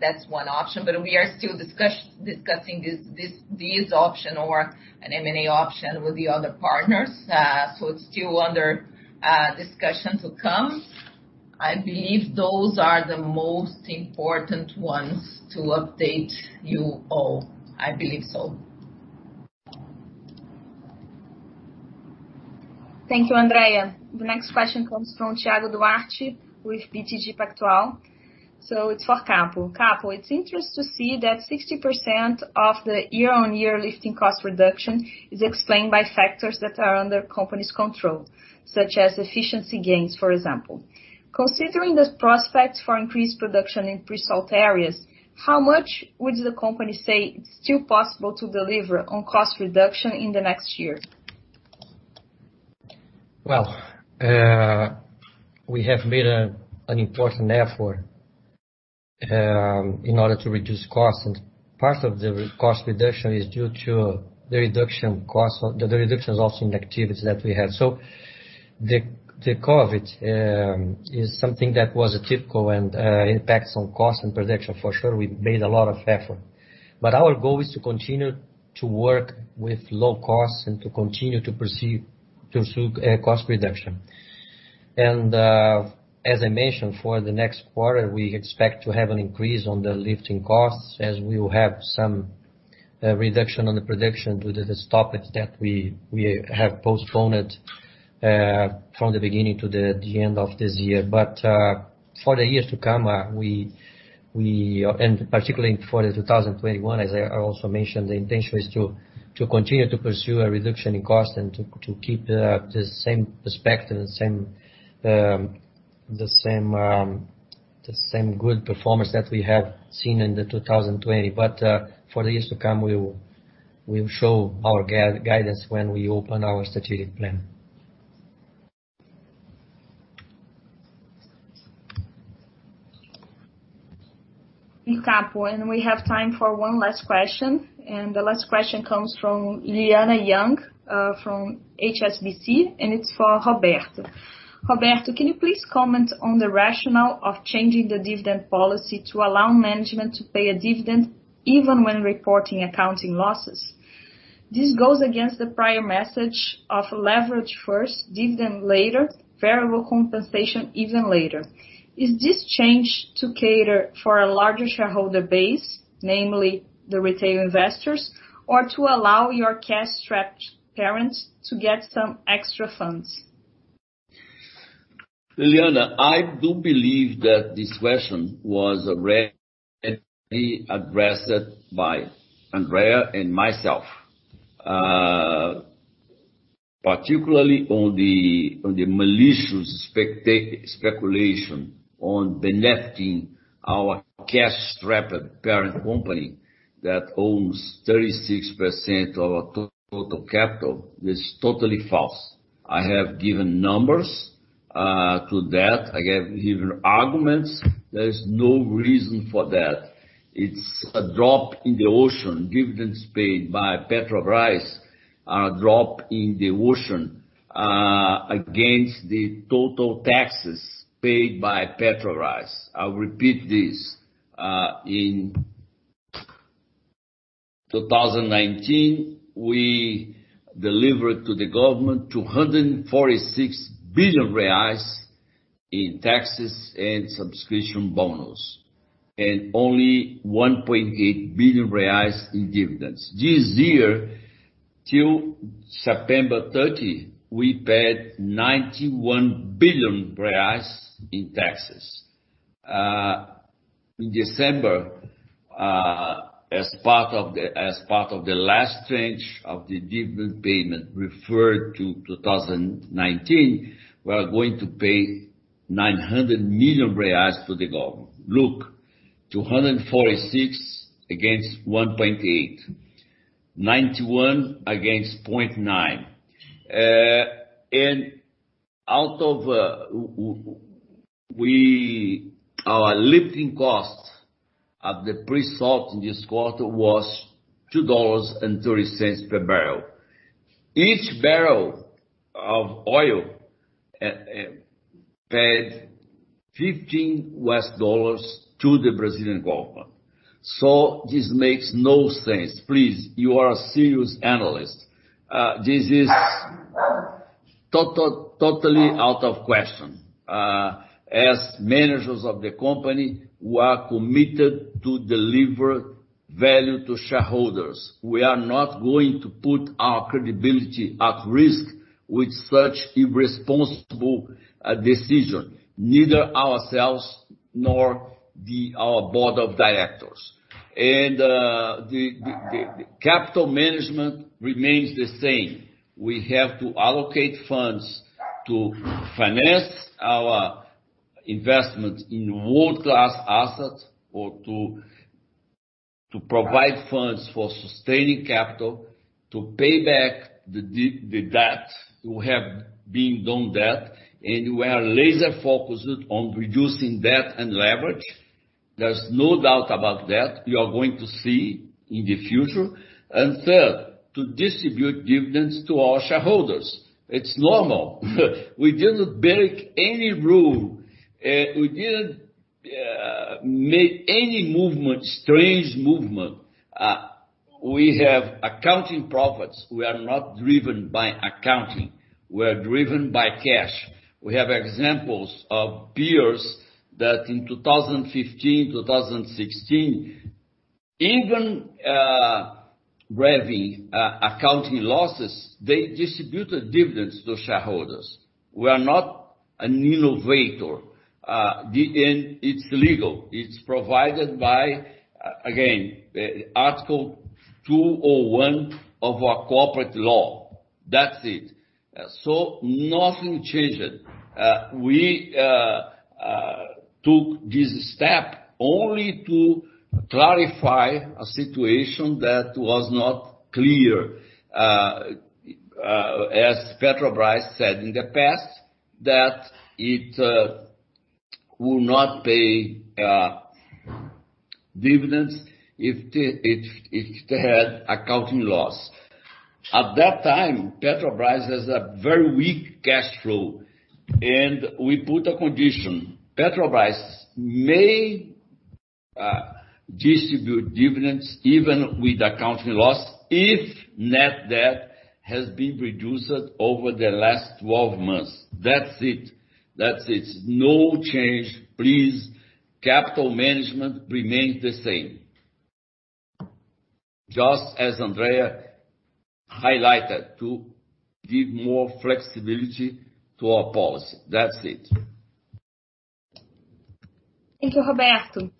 Speaker 3: That's one option. We are still discussing this option or an M&A option with the other partners. It's still under discussion to come. I believe those are the most important ones to update you all. I believe so.
Speaker 1: Thank you, Andrea. The next question comes from Thiago Duarte with BTG Pactual. It's for Capo. Capo, it's interesting to see that 60% of the year-on-year lifting cost reduction is explained by factors that are under company's control, such as efficiency gains, for example. Considering the prospects for increased production in pre-salt areas, how much would the company say it's still possible to deliver on cost reduction in the next year?
Speaker 8: Well, we have made an important effort in order to reduce costs. Part of the cost reduction is due to the reduction in activities that we had. The COVID is something that was atypical and impacts on cost and production for sure. We've made a lot of effort. Our goal is to continue to work with low costs and to continue to pursue cost reduction. As I mentioned, for the next quarter, we expect to have an increase on the lifting costs as we will have some reduction on the production due to the stop that we have postponed from the beginning to the end of this year. For the years to come, and particularly for 2021, as I also mentioned, the intention is to continue to pursue a reduction in cost and to keep the same perspective, the same good performance that we have seen in 2020. For the years to come, we will show our guidance when we open our strategic plan.
Speaker 1: Thank you, Capo. We have time for one last question, and the last question comes from Lilyanna Yang from HSBC, and it's for Roberto. Roberto, can you please comment on the rationale of changing the dividend policy to allow management to pay a dividend even when reporting accounting losses? This goes against the prior message of leverage first, dividend later, variable compensation even later. Is this change to cater for a larger shareholder base, namely the retail investors, or to allow your cash-strapped parents to get some extra funds?
Speaker 2: Lilyanna, I do believe that this question was already addressed by Andrea and myself. Particularly on the malicious speculation on benefiting our cash-strapped parent company that owns 36% of our total capital. This is totally false. I have given numbers to that. I have given arguments. There's no reason for that. It's a drop in the ocean. Dividends paid by Petrobras are a drop in the ocean against the total taxes paid by Petrobras. I'll repeat this. In 2019, we delivered to the government 246 billion reais in taxes and subscription bonus, and only 1.8 billion reais in dividends. This year, till September 30, we paid 91 billion reais in taxes. In December, as part of the last tranche of the dividend payment referred to 2019, we are going to pay 900 million reais to the government. Look, 246 against 1.8, 91 against 0.9. Our lifting cost at the pre-salt in this quarter was $2.30 per barrel. Each barrel of oil paid $15 to the Brazilian government. This makes no sense. Please, you are a serious analyst. This is totally out of question. As managers of the company, we are committed to deliver value to shareholders. We are not going to put our credibility at risk with such irresponsible decision, neither ourselves nor our board of directors. The capital management remains the same. We have to allocate funds to finance our investment in world-class assets or to provide funds for sustaining capital, to pay back the debt. We have been doing that, and we are laser-focused on reducing debt and leverage. There's no doubt about that. You are going to see in the future. Third, to distribute dividends to our shareholders. It's normal. We didn't break any rule. We didn't make any strange movement. We have accounting profits. We are not driven by accounting. We are driven by cash. We have examples of peers that in 2015, 2016, even having accounting losses, they distributed dividends to shareholders. We are not an innovator. In the end, it's legal. It's provided by, again, Article 201 of our corporate law. That's it. Nothing changed. We took this step only to clarify a situation that was not clear, as Petrobras said in the past, that it will not pay dividends if it had accounting loss. At that time, Petrobras has a very weak cash flow, and we put a condition. Petrobras may distribute dividends even with accounting loss if net debt has been reduced over the last 12 months. That's it. No change, please. Capital management remains the same. Just as Andrea highlighted, to give more flexibility to our policy. That's it.
Speaker 1: Thank you, Roberto.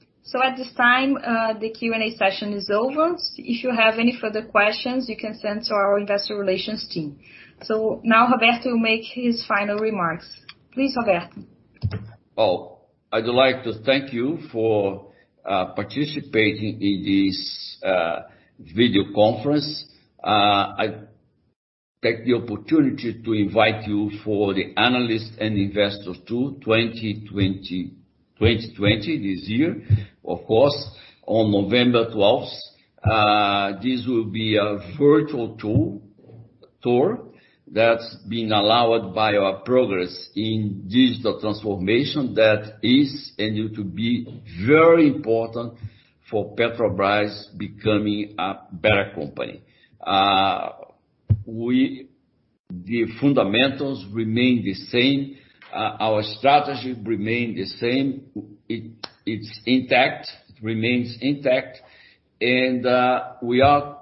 Speaker 1: At this time, the Q&A session is over. If you have any further questions, you can send to our Investor Relations team. Now Roberto will make his final remarks. Please, Roberto.
Speaker 2: Oh, I'd like to thank you for participating in this video conference. I take the opportunity to invite you for the analyst and investor tour 2020 this year, of course, on November 12th. This will be a virtual tour that's being allowed by our progress in digital transformation that is and will to be very important for Petrobras becoming a better company. The fundamentals remain the same. Our strategy remain the same. It's intact, remains intact. We are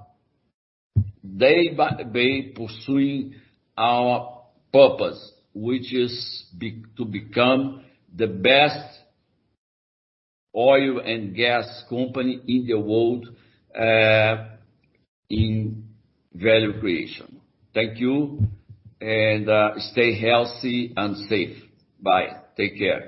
Speaker 2: day by day pursuing our purpose, which is to become the best oil and gas company in the world, in value creation. Thank you, and stay healthy and safe. Bye. Take care.